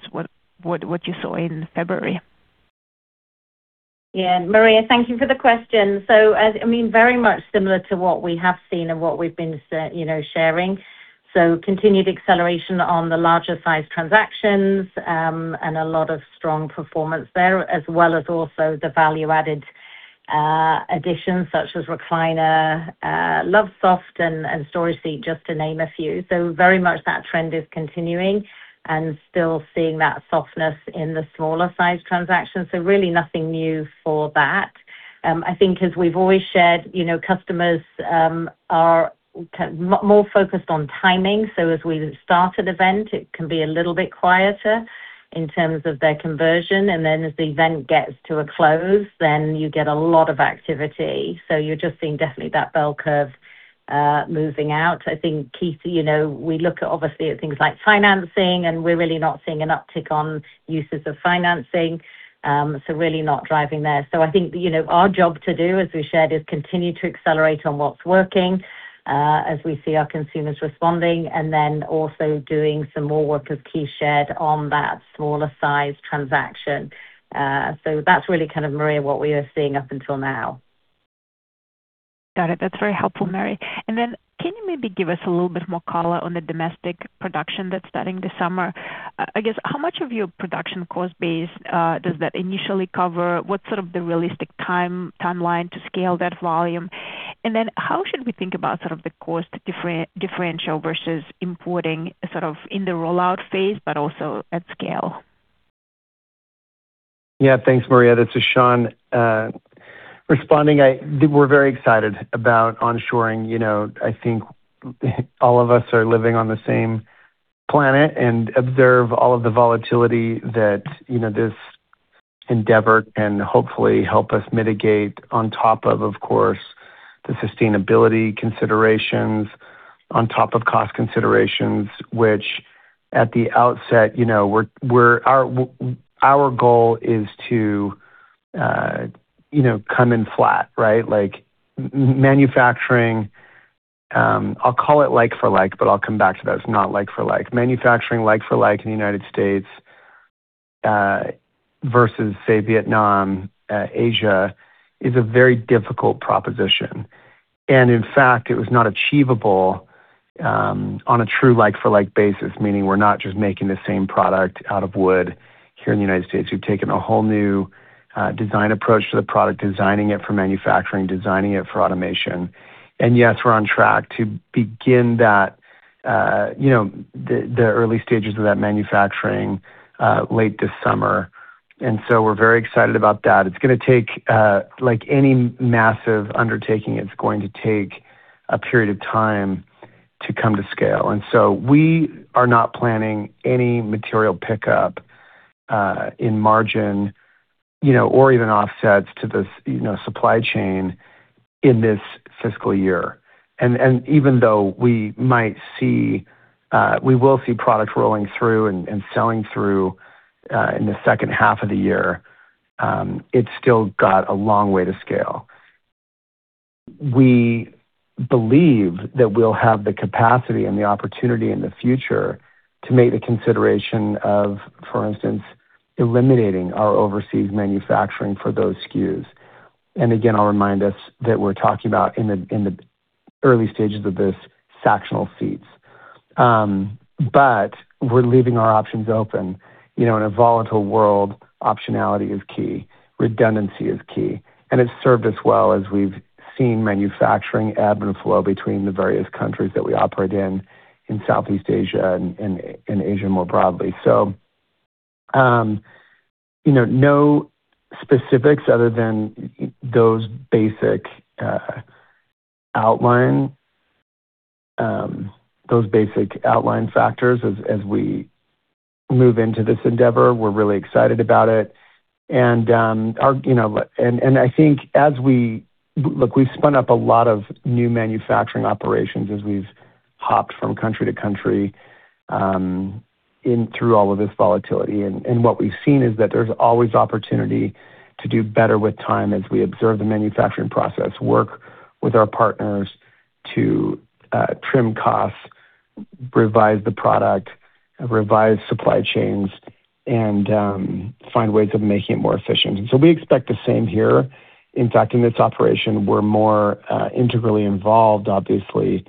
what you saw in February? Maria, thank you for the question. Very much similar to what we have seen and what we've been sharing. Continued acceleration on the larger size transactions, and a lot of strong performance there, as well as also the value-added additions such as recliner, Lovesoft, and Storage Seat, just to name a few. Very much that trend is continuing, and still seeing that softness in the smaller size transactions. Really nothing new for that. I think as we've always shared, customers are more focused on timing. As we start an event, it can be a little bit quieter in terms of their conversion, and then as the event gets to a close, then you get a lot of activity. You're just seeing definitely that bell curve moving out. I think, Keith, we look obviously at things like financing, and we're really not seeing an uptick on uses of financing. Really not driving there. I think our job to do, as we shared, is continue to accelerate on what's working as we see our consumers responding, also doing some more work as Keith shared on that smaller size transaction. That's really kind of, Maria, what we are seeing up until now. Got it. That's very helpful, Mary. Can you maybe give us a little bit more color on the domestic production that's starting this summer? I guess how much of your production cost base does that initially cover? What's sort of the realistic timeline to scale that volume? How should we think about sort of the cost differential versus importing sort of in the rollout phase, but also at scale? Yeah. Thanks, Maria. This is Shawn responding. We're very excited about onshoring. I think all of us are living on the same planet and observe all of the volatility that this endeavor can hopefully help us mitigate on top of course, the sustainability considerations, on top of cost considerations. Which at the outset, our goal is to come in flat, right? Like manufacturing, I'll call it like for like, but I'll come back to that. It's not like for like. Manufacturing like for like in the U.S. versus, say, Vietnam, Asia, is a very difficult proposition. In fact, it was not achievable on a true like for like basis, meaning we're not just making the same product out of wood here in the U.S. We've taken a whole new design approach to the product, designing it for manufacturing, designing it for automation. Yes, we're on track to begin the early stages of that manufacturing late this summer. We're very excited about that. Like any massive undertaking, it's going to take a period of time to come to scale. We are not planning any material pickup in margin or even offsets to the supply chain in this fiscal year. Even though we will see product rolling through and selling through in the second half of the year, it's still got a long way to scale. We believe that we'll have the capacity and the opportunity in the future to make the consideration of, for instance, eliminating our overseas manufacturing for those SKUs. Again, I'll remind us that we're talking about in the early stages of this Sactional seats. We're leaving our options open. In a volatile world, optionality is key. Redundancy is key. It's served us well as we've seen manufacturing ebb and flow between the various countries that we operate in Southeast Asia, and Asia more broadly. No specifics other than those basic outline factors as we move into this endeavor. We're really excited about it. Look, we've spun up a lot of new manufacturing operations as we've hopped from country to country in through all of this volatility. What we've seen is that there's always opportunity to do better with time as we observe the manufacturing process, work with our partners to trim costs, revise the product, revise supply chains, and find ways of making it more efficient. We expect the same here. In fact, in this operation, we're more integrally involved, obviously,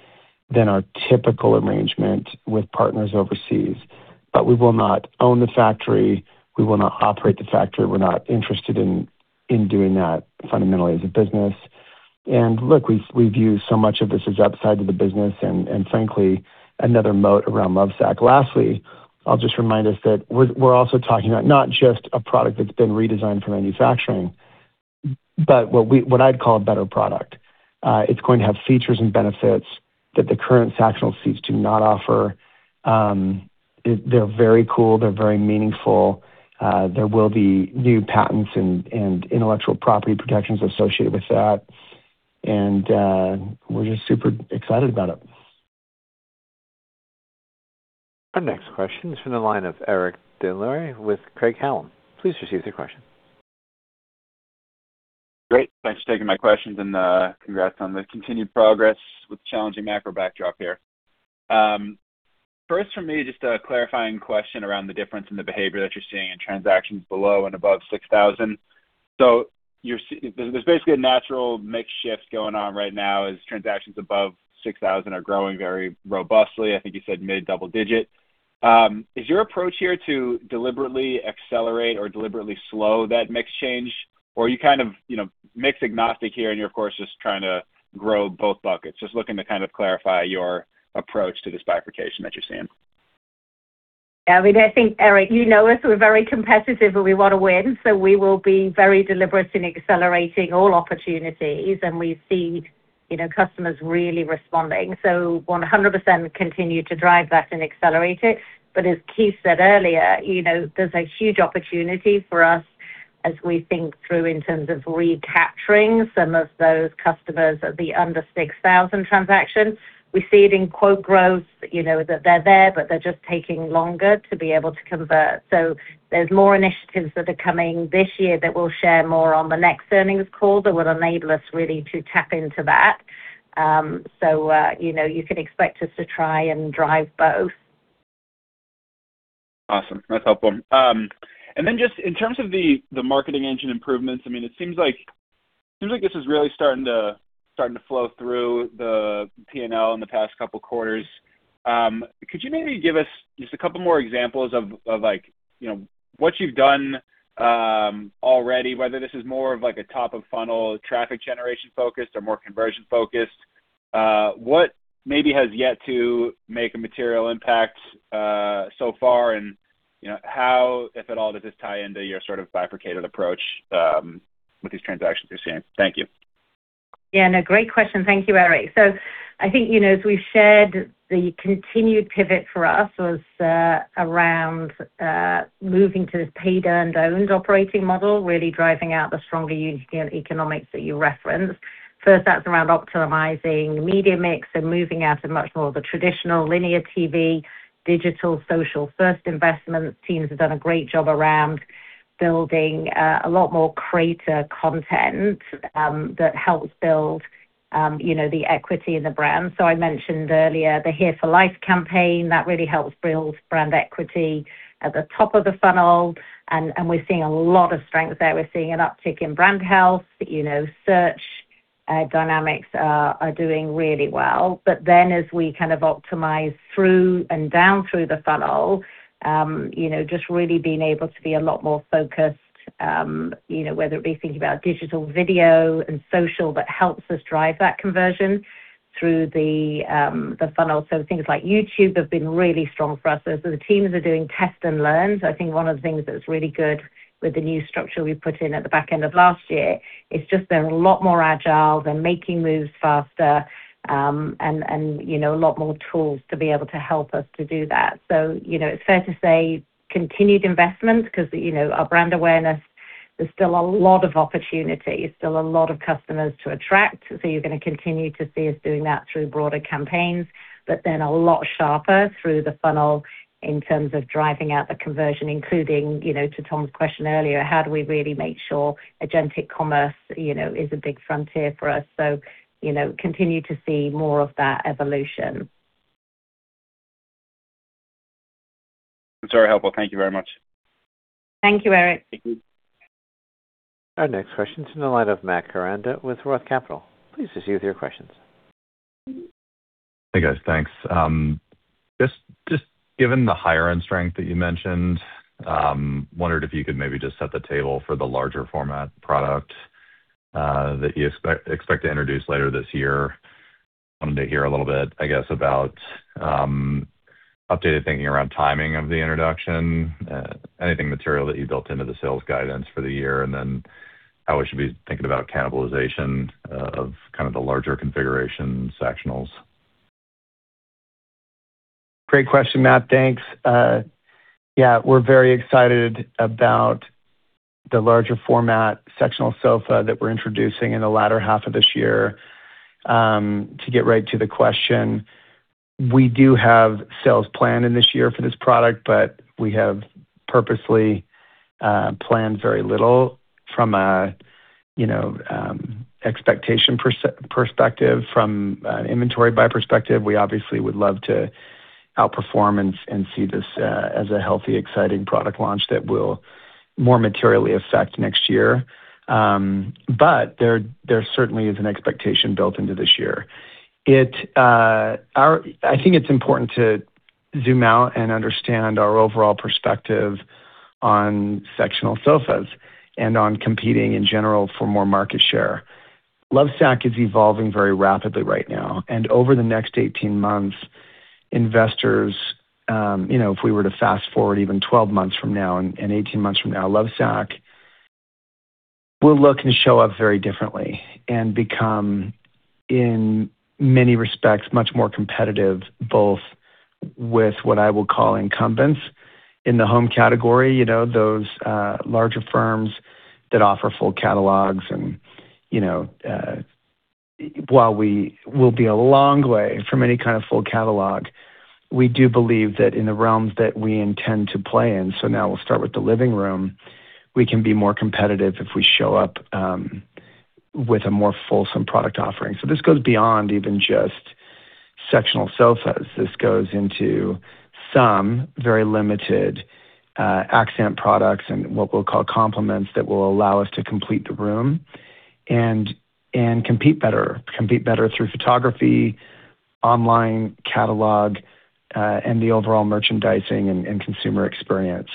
than our typical arrangement with partners overseas. We will not own the factory. We will not operate the factory. We're not interested in doing that fundamentally as a business. Look, we view so much of this as upside to the business and frankly, another moat around Lovesac. Lastly, I'll just remind us that we're also talking about not just a product that's been redesigned for manufacturing. What I'd call a better product. It's going to have features and benefits that the current Sactionals cease to not offer. They're very cool. They're very meaningful. There will be new patents and intellectual property protections associated with that, we're just super excited about it. Our next question is from the line of Eric Des Lauriers with Craig-Hallum. Please proceed with your question. Great. Thanks for taking my questions, and congrats on the continued progress with challenging macro backdrop here. First for me, just a clarifying question around the difference in the behavior that you're seeing in transactions below and above $6,000. There's basically a natural mix shift going on right now as transactions above $6,000 are growing very robustly. I think you said mid double digit. Is your approach here to deliberately accelerate or deliberately slow that mix change? Are you kind of mix agnostic here, and you're of course just trying to grow both buckets. Just looking to kind of clarify your approach to this bifurcation that you're seeing. I think, Eric, you know us. We're very competitive, and we want to win, we will be very deliberate in accelerating all opportunities, and we see customers really responding. 100% continue to drive that and accelerate it. As Keith said earlier, there's a huge opportunity for us as we think through in terms of recapturing some of those customers at the under $6,000 transactions. We see it in quote growth, that they're there, they're just taking longer to be able to convert. There's more initiatives that are coming this year that we'll share more on the next earnings call that will enable us really to tap into that. You can expect us to try and drive both. Awesome. That's helpful. Just in terms of the marketing engine improvements, it seems like this is really starting to flow through the P&L in the past couple quarters. Could you maybe give us just a couple more examples of what you've done already, whether this is more of a top of funnel traffic generation focused or more conversion focused. What maybe has yet to make a material impact so far, and how, if at all, does this tie into your sort of bifurcated approach with these transactions you're seeing? Thank you. No great question. Thank you, Eric. I think, as we've shared, the continued pivot for us was around moving to this paid earned owned operating model, really driving out the stronger unit economics that you referenced. First, that's around optimizing media mix and moving out of much more of the traditional linear TV, digital, social first investments. Teams have done a great job around building a lot more creator content that helps build the equity in the brand. I mentioned earlier the Here for Life campaign that really helps build brand equity at the top of the funnel, and we're seeing a lot of strength there. We're seeing an uptick in brand health. Search dynamics are doing really well. As we kind of optimize through and down through the funnel, just really being able to be a lot more focused, whether it be thinking about digital video and social that helps us drive that conversion through the funnel. Things like YouTube have been really strong for us. The teams are doing test and learns. I think one of the things that's really good with the new structure we put in at the back end of last year is just they're a lot more agile. They're making moves faster, and a lot more tools to be able to help us to do that. It's fair to say continued investments because our brand awareness, there's still a lot of opportunity. There's still a lot of customers to attract. You're going to continue to see us doing that through broader campaigns, but then a lot sharper through the funnel in terms of driving out the conversion, including to Tom's question earlier, how do we really make sure agentic commerce is a big frontier for us. Continue to see more of that evolution. That's very helpful. Thank you very much. Thank you, Eric. Thank you. Our next question's from the line of Matt Koranda with ROTH Capital. Please proceed with your questions. Hey, guys. Thanks. Just given the higher-end strength that you mentioned, wondered if you could maybe just set the table for the larger format product that you expect to introduce later this year. Wanted to hear a little bit, I guess, about updated thinking around timing of the introduction, anything material that you built into the sales guidance for the year, how we should be thinking about cannibalization of kind of the larger configuration Sactionals. Great question, Matt. Thanks. Yeah, we're very excited about the larger format sectional sofa that we're introducing in the latter half of this year. To get right to the question, we do have sales planned in this year for this product, we have purposely planned very little from an expectation perspective, from an inventory buy perspective. We obviously would love to out-perform and see this as a healthy, exciting product launch that will more materially affect next year. There certainly is an expectation built into this year. I think it's important to zoom out and understand our overall perspective on sectional sofas and on competing in general for more market share. Lovesac is evolving very rapidly right now, and over the next 18 months, investors, if we were to fast-forward even 12 months from now and 18 months from now, Lovesac will look and show up very differently and become, in many respects, much more competitive, both with what I will call incumbents in the home category, those larger firms that offer full catalogs and while we will be a long way from any kind of full catalog, we do believe that in the realms that we intend to play in, now we'll start with the living room, we can be more competitive if we show up with a more fulsome product offering. This goes beyond even just sectional sofas. This goes into some very limited accent products and what we'll call complements that will allow us to complete the room and compete better. Compete better through photography, online catalog, and the overall merchandising and consumer experience.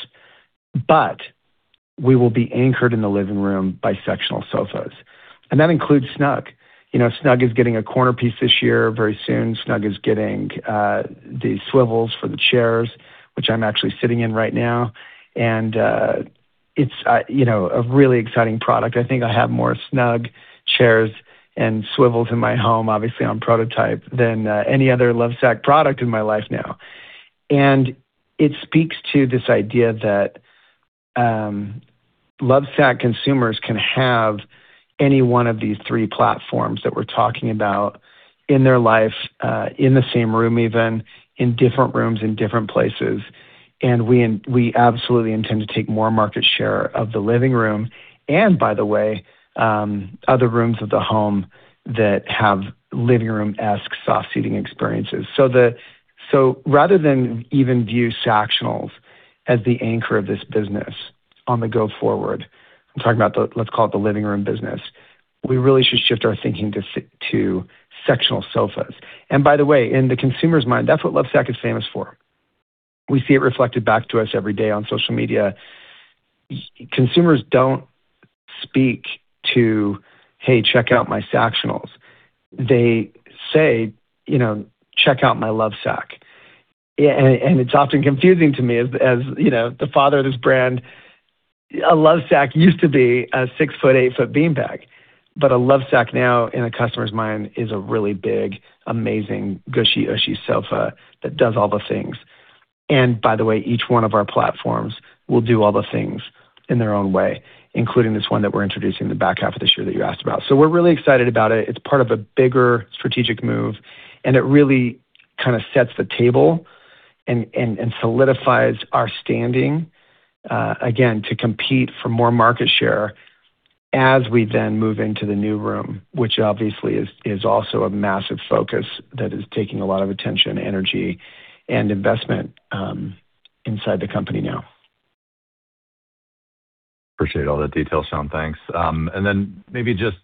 We will be anchored in the living room by sectional sofas. That includes Snug. Snug is getting a corner piece this year very soon. Snug is getting the swivels for the chairs, which I'm actually sitting in right now, and it's a really exciting product. I think I have more Snug chairs and swivels in my home, obviously on prototype, than any other Lovesac product in my life now. It speaks to this idea that Lovesac consumers can have any one of these three platforms that we're talking about in their life, in the same room even, in different rooms, in different places. We absolutely intend to take more market share of the living room, and by the way, other rooms of the home that have living room-esque soft seating experiences. Rather than even view Sactionals as the anchor of this business on the go forward, I'm talking about, let's call it the living room business, we really should shift our thinking to sectional sofas. By the way, in the consumer's mind, that's what Lovesac is famous for. We see it reflected back to us every day on social media. Consumers don't speak to, "Hey, check out my Sactionals." They say, "Check out my Lovesac." It's often confusing to me as the father of this brand, a Lovesac used to be a six foot, eight-foot beanbag. A Lovesac now in a customer's mind is a really big, amazing gushy, ushy sofa that does all the things. By the way, each one of our platforms will do all the things in their own way, including this one that we're introducing the back half of this year that you asked about. We're really excited about it. It's part of a bigger strategic move, it really sets the table and solidifies our standing, again, to compete for more market share as we then move into the new room, which obviously is also a massive focus that is taking a lot of attention, energy, and investment inside the company now. Appreciate all the details, Shawn. Thanks. Then maybe just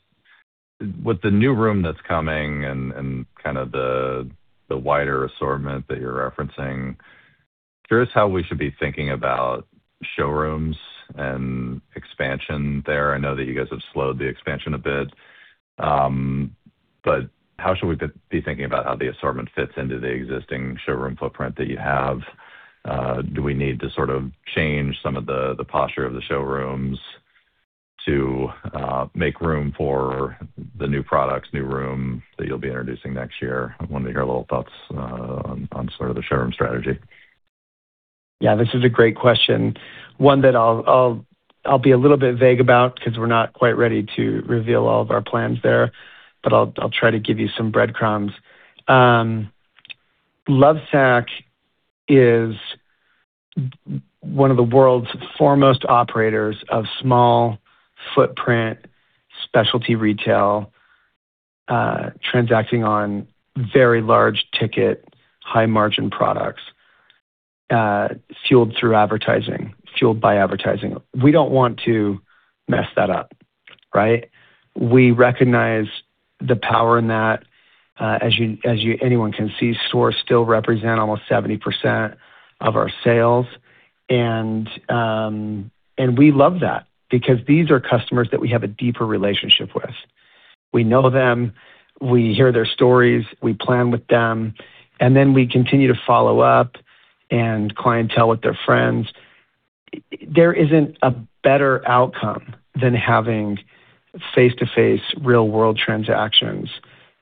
with the new room that's coming and the wider assortment that you're referencing, curious how we should be thinking about showrooms and expansion there. I know that you guys have slowed the expansion a bit. How should we be thinking about how the assortment fits into the existing showroom footprint that you have? Do we need to change some of the posture of the showrooms to make room for the new products, new room that you'll be introducing next year? I wanted to hear a little thoughts on the showroom strategy. Yeah, this is a great question. One that I'll be a little bit vague about because we're not quite ready to reveal all of our plans there, but I'll try to give you some breadcrumbs. Lovesac is one of the world's foremost operators of small footprint specialty retail, transacting on very large ticket, high margin products, fueled through advertising, fueled by advertising. We don't want to mess that up, right? We recognize the power in that. As anyone can see, stores still represent almost 70% of our sales, and we love that because these are customers that we have a deeper relationship with. We know them, we hear their stories, we plan with them. Then we continue to follow up and clientele with their friends. There isn't a better outcome than having face-to-face real-world transactions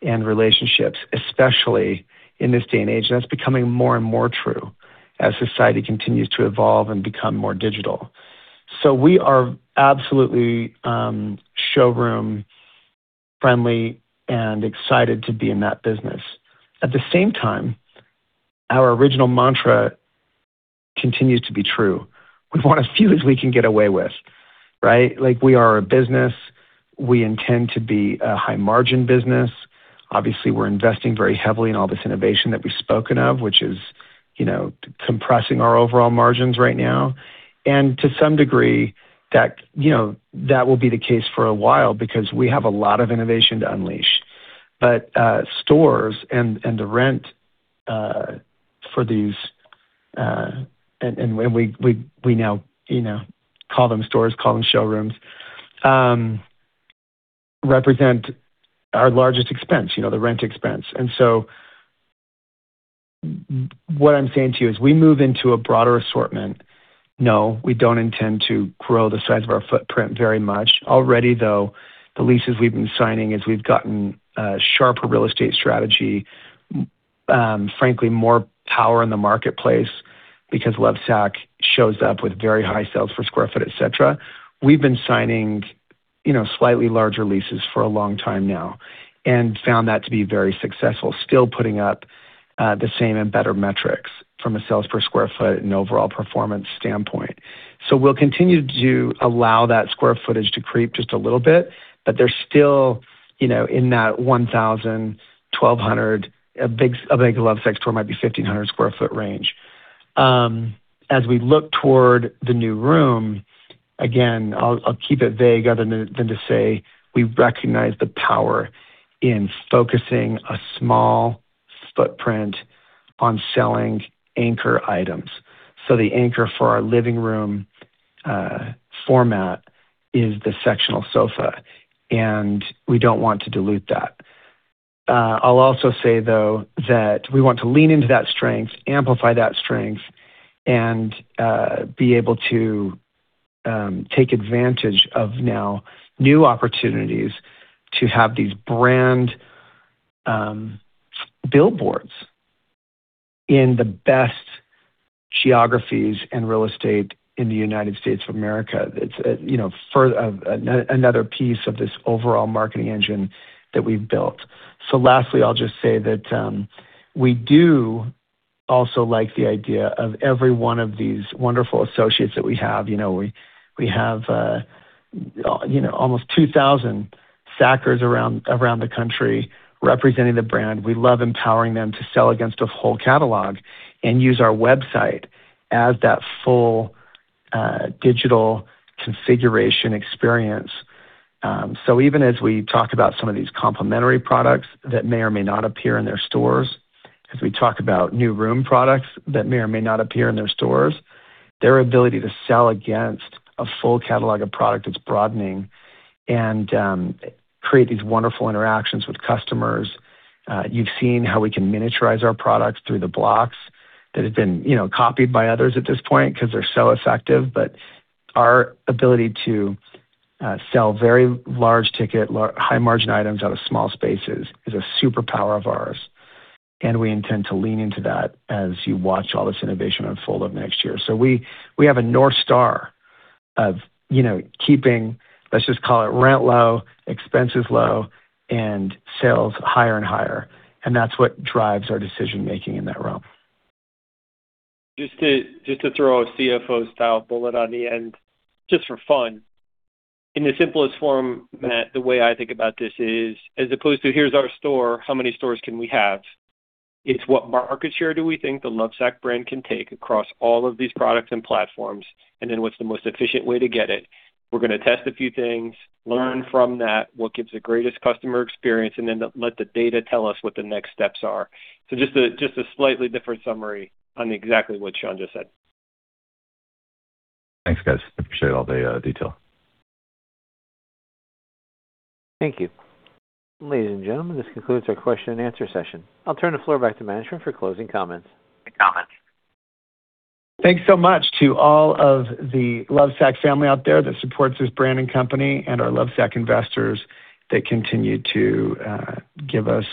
and relationships, especially in this day and age. That's becoming more and more true as society continues to evolve and become more digital. We are absolutely showroom friendly and excited to be in that business. At the same time, our original mantra continues to be true. We want as few as we can get away with, right? Like we are a business. We intend to be a high margin business. Obviously, we're investing very heavily in all this innovation that we've spoken of, which is compressing our overall margins right now. To some degree, that will be the case for a while because we have a lot of innovation to unleash. Stores and the rent for these-- and we now call them stores, call them showrooms, represent our largest expense, the rent expense. What I'm saying to you, as we move into a broader assortment, no, we don't intend to grow the size of our footprint very much. Already, though, the leases we've been signing as we've gotten sharper real estate strategy, frankly, more power in the marketplace because Lovesac shows up with very high sales for square foot, et cetera. We've been signing slightly larger leases for a long time now and found that to be very successful. Still putting up the same and better metrics from a sales per square foot and overall performance standpoint. We'll continue to allow that square footage to creep just a little bit, but they're still in that 1,000, 1,200, a big Lovesac store might be 1,500 square foot range. As we look toward the new room, again, I'll keep it vague other than to say we recognize the power in focusing a small footprint on selling anchor items. The anchor for our living room format is the sectional sofa, and we don't want to dilute that. I'll also say, though, that we want to lean into that strength, amplify that strength, and be able to take advantage of now new opportunities to have these brand billboards in the best geographies and real estate in the United States of America. It's another piece of this overall marketing engine that we've built. Lastly, I'll just say that we do also like the idea of every one of these wonderful associates that we have. We have almost 2,000 Sacers around the country representing the brand. We love empowering them to sell against a whole catalog and use our website as that full digital configuration experience. Even as we talk about some of these complementary products that may or may not appear in their stores, as we talk about new room products that may or may not appear in their stores, their ability to sell against a full catalog of product that's broadening and create these wonderful interactions with customers. You've seen how we can miniaturize our products through the blocks that have been copied by others at this point because they're so effective. Our ability to sell very large ticket, high margin items out of small spaces is a superpower of ours, and we intend to lean into that as you watch all this innovation unfold of next year. We have a North Star of keeping, let's just call it rent low, expenses low, and sales higher and higher, and that's what drives our decision-making in that realm. Just to throw a CFO style bullet on the end, just for fun. In the simplest form, Matt, the way I think about this is as opposed to, here's our store, how many stores can we have? It's what market share do we think the Lovesac brand can take across all of these products and platforms, and then what's the most efficient way to get it? We're going to test a few things, learn from that what gives the greatest customer experience, and then let the data tell us what the next steps are. Just a slightly different summary on exactly what Shawn just said. Thanks, guys. I appreciate all the detail. Thank you. Ladies and gentlemen, this concludes our question and answer session. I'll turn the floor back to management for closing comments. Thanks so much to all of the Lovesac Family out there that supports this brand and company and our Lovesac investors that continue to give us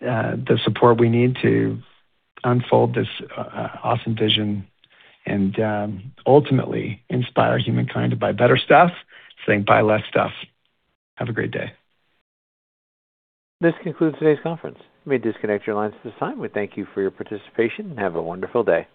the support we need to unfold this awesome vision and ultimately inspire humankind to buy better stuff, saying, "Buy less stuff." Have a great day. This concludes today's conference. You may disconnect your lines at this time. We thank you for your participation, and have a wonderful day.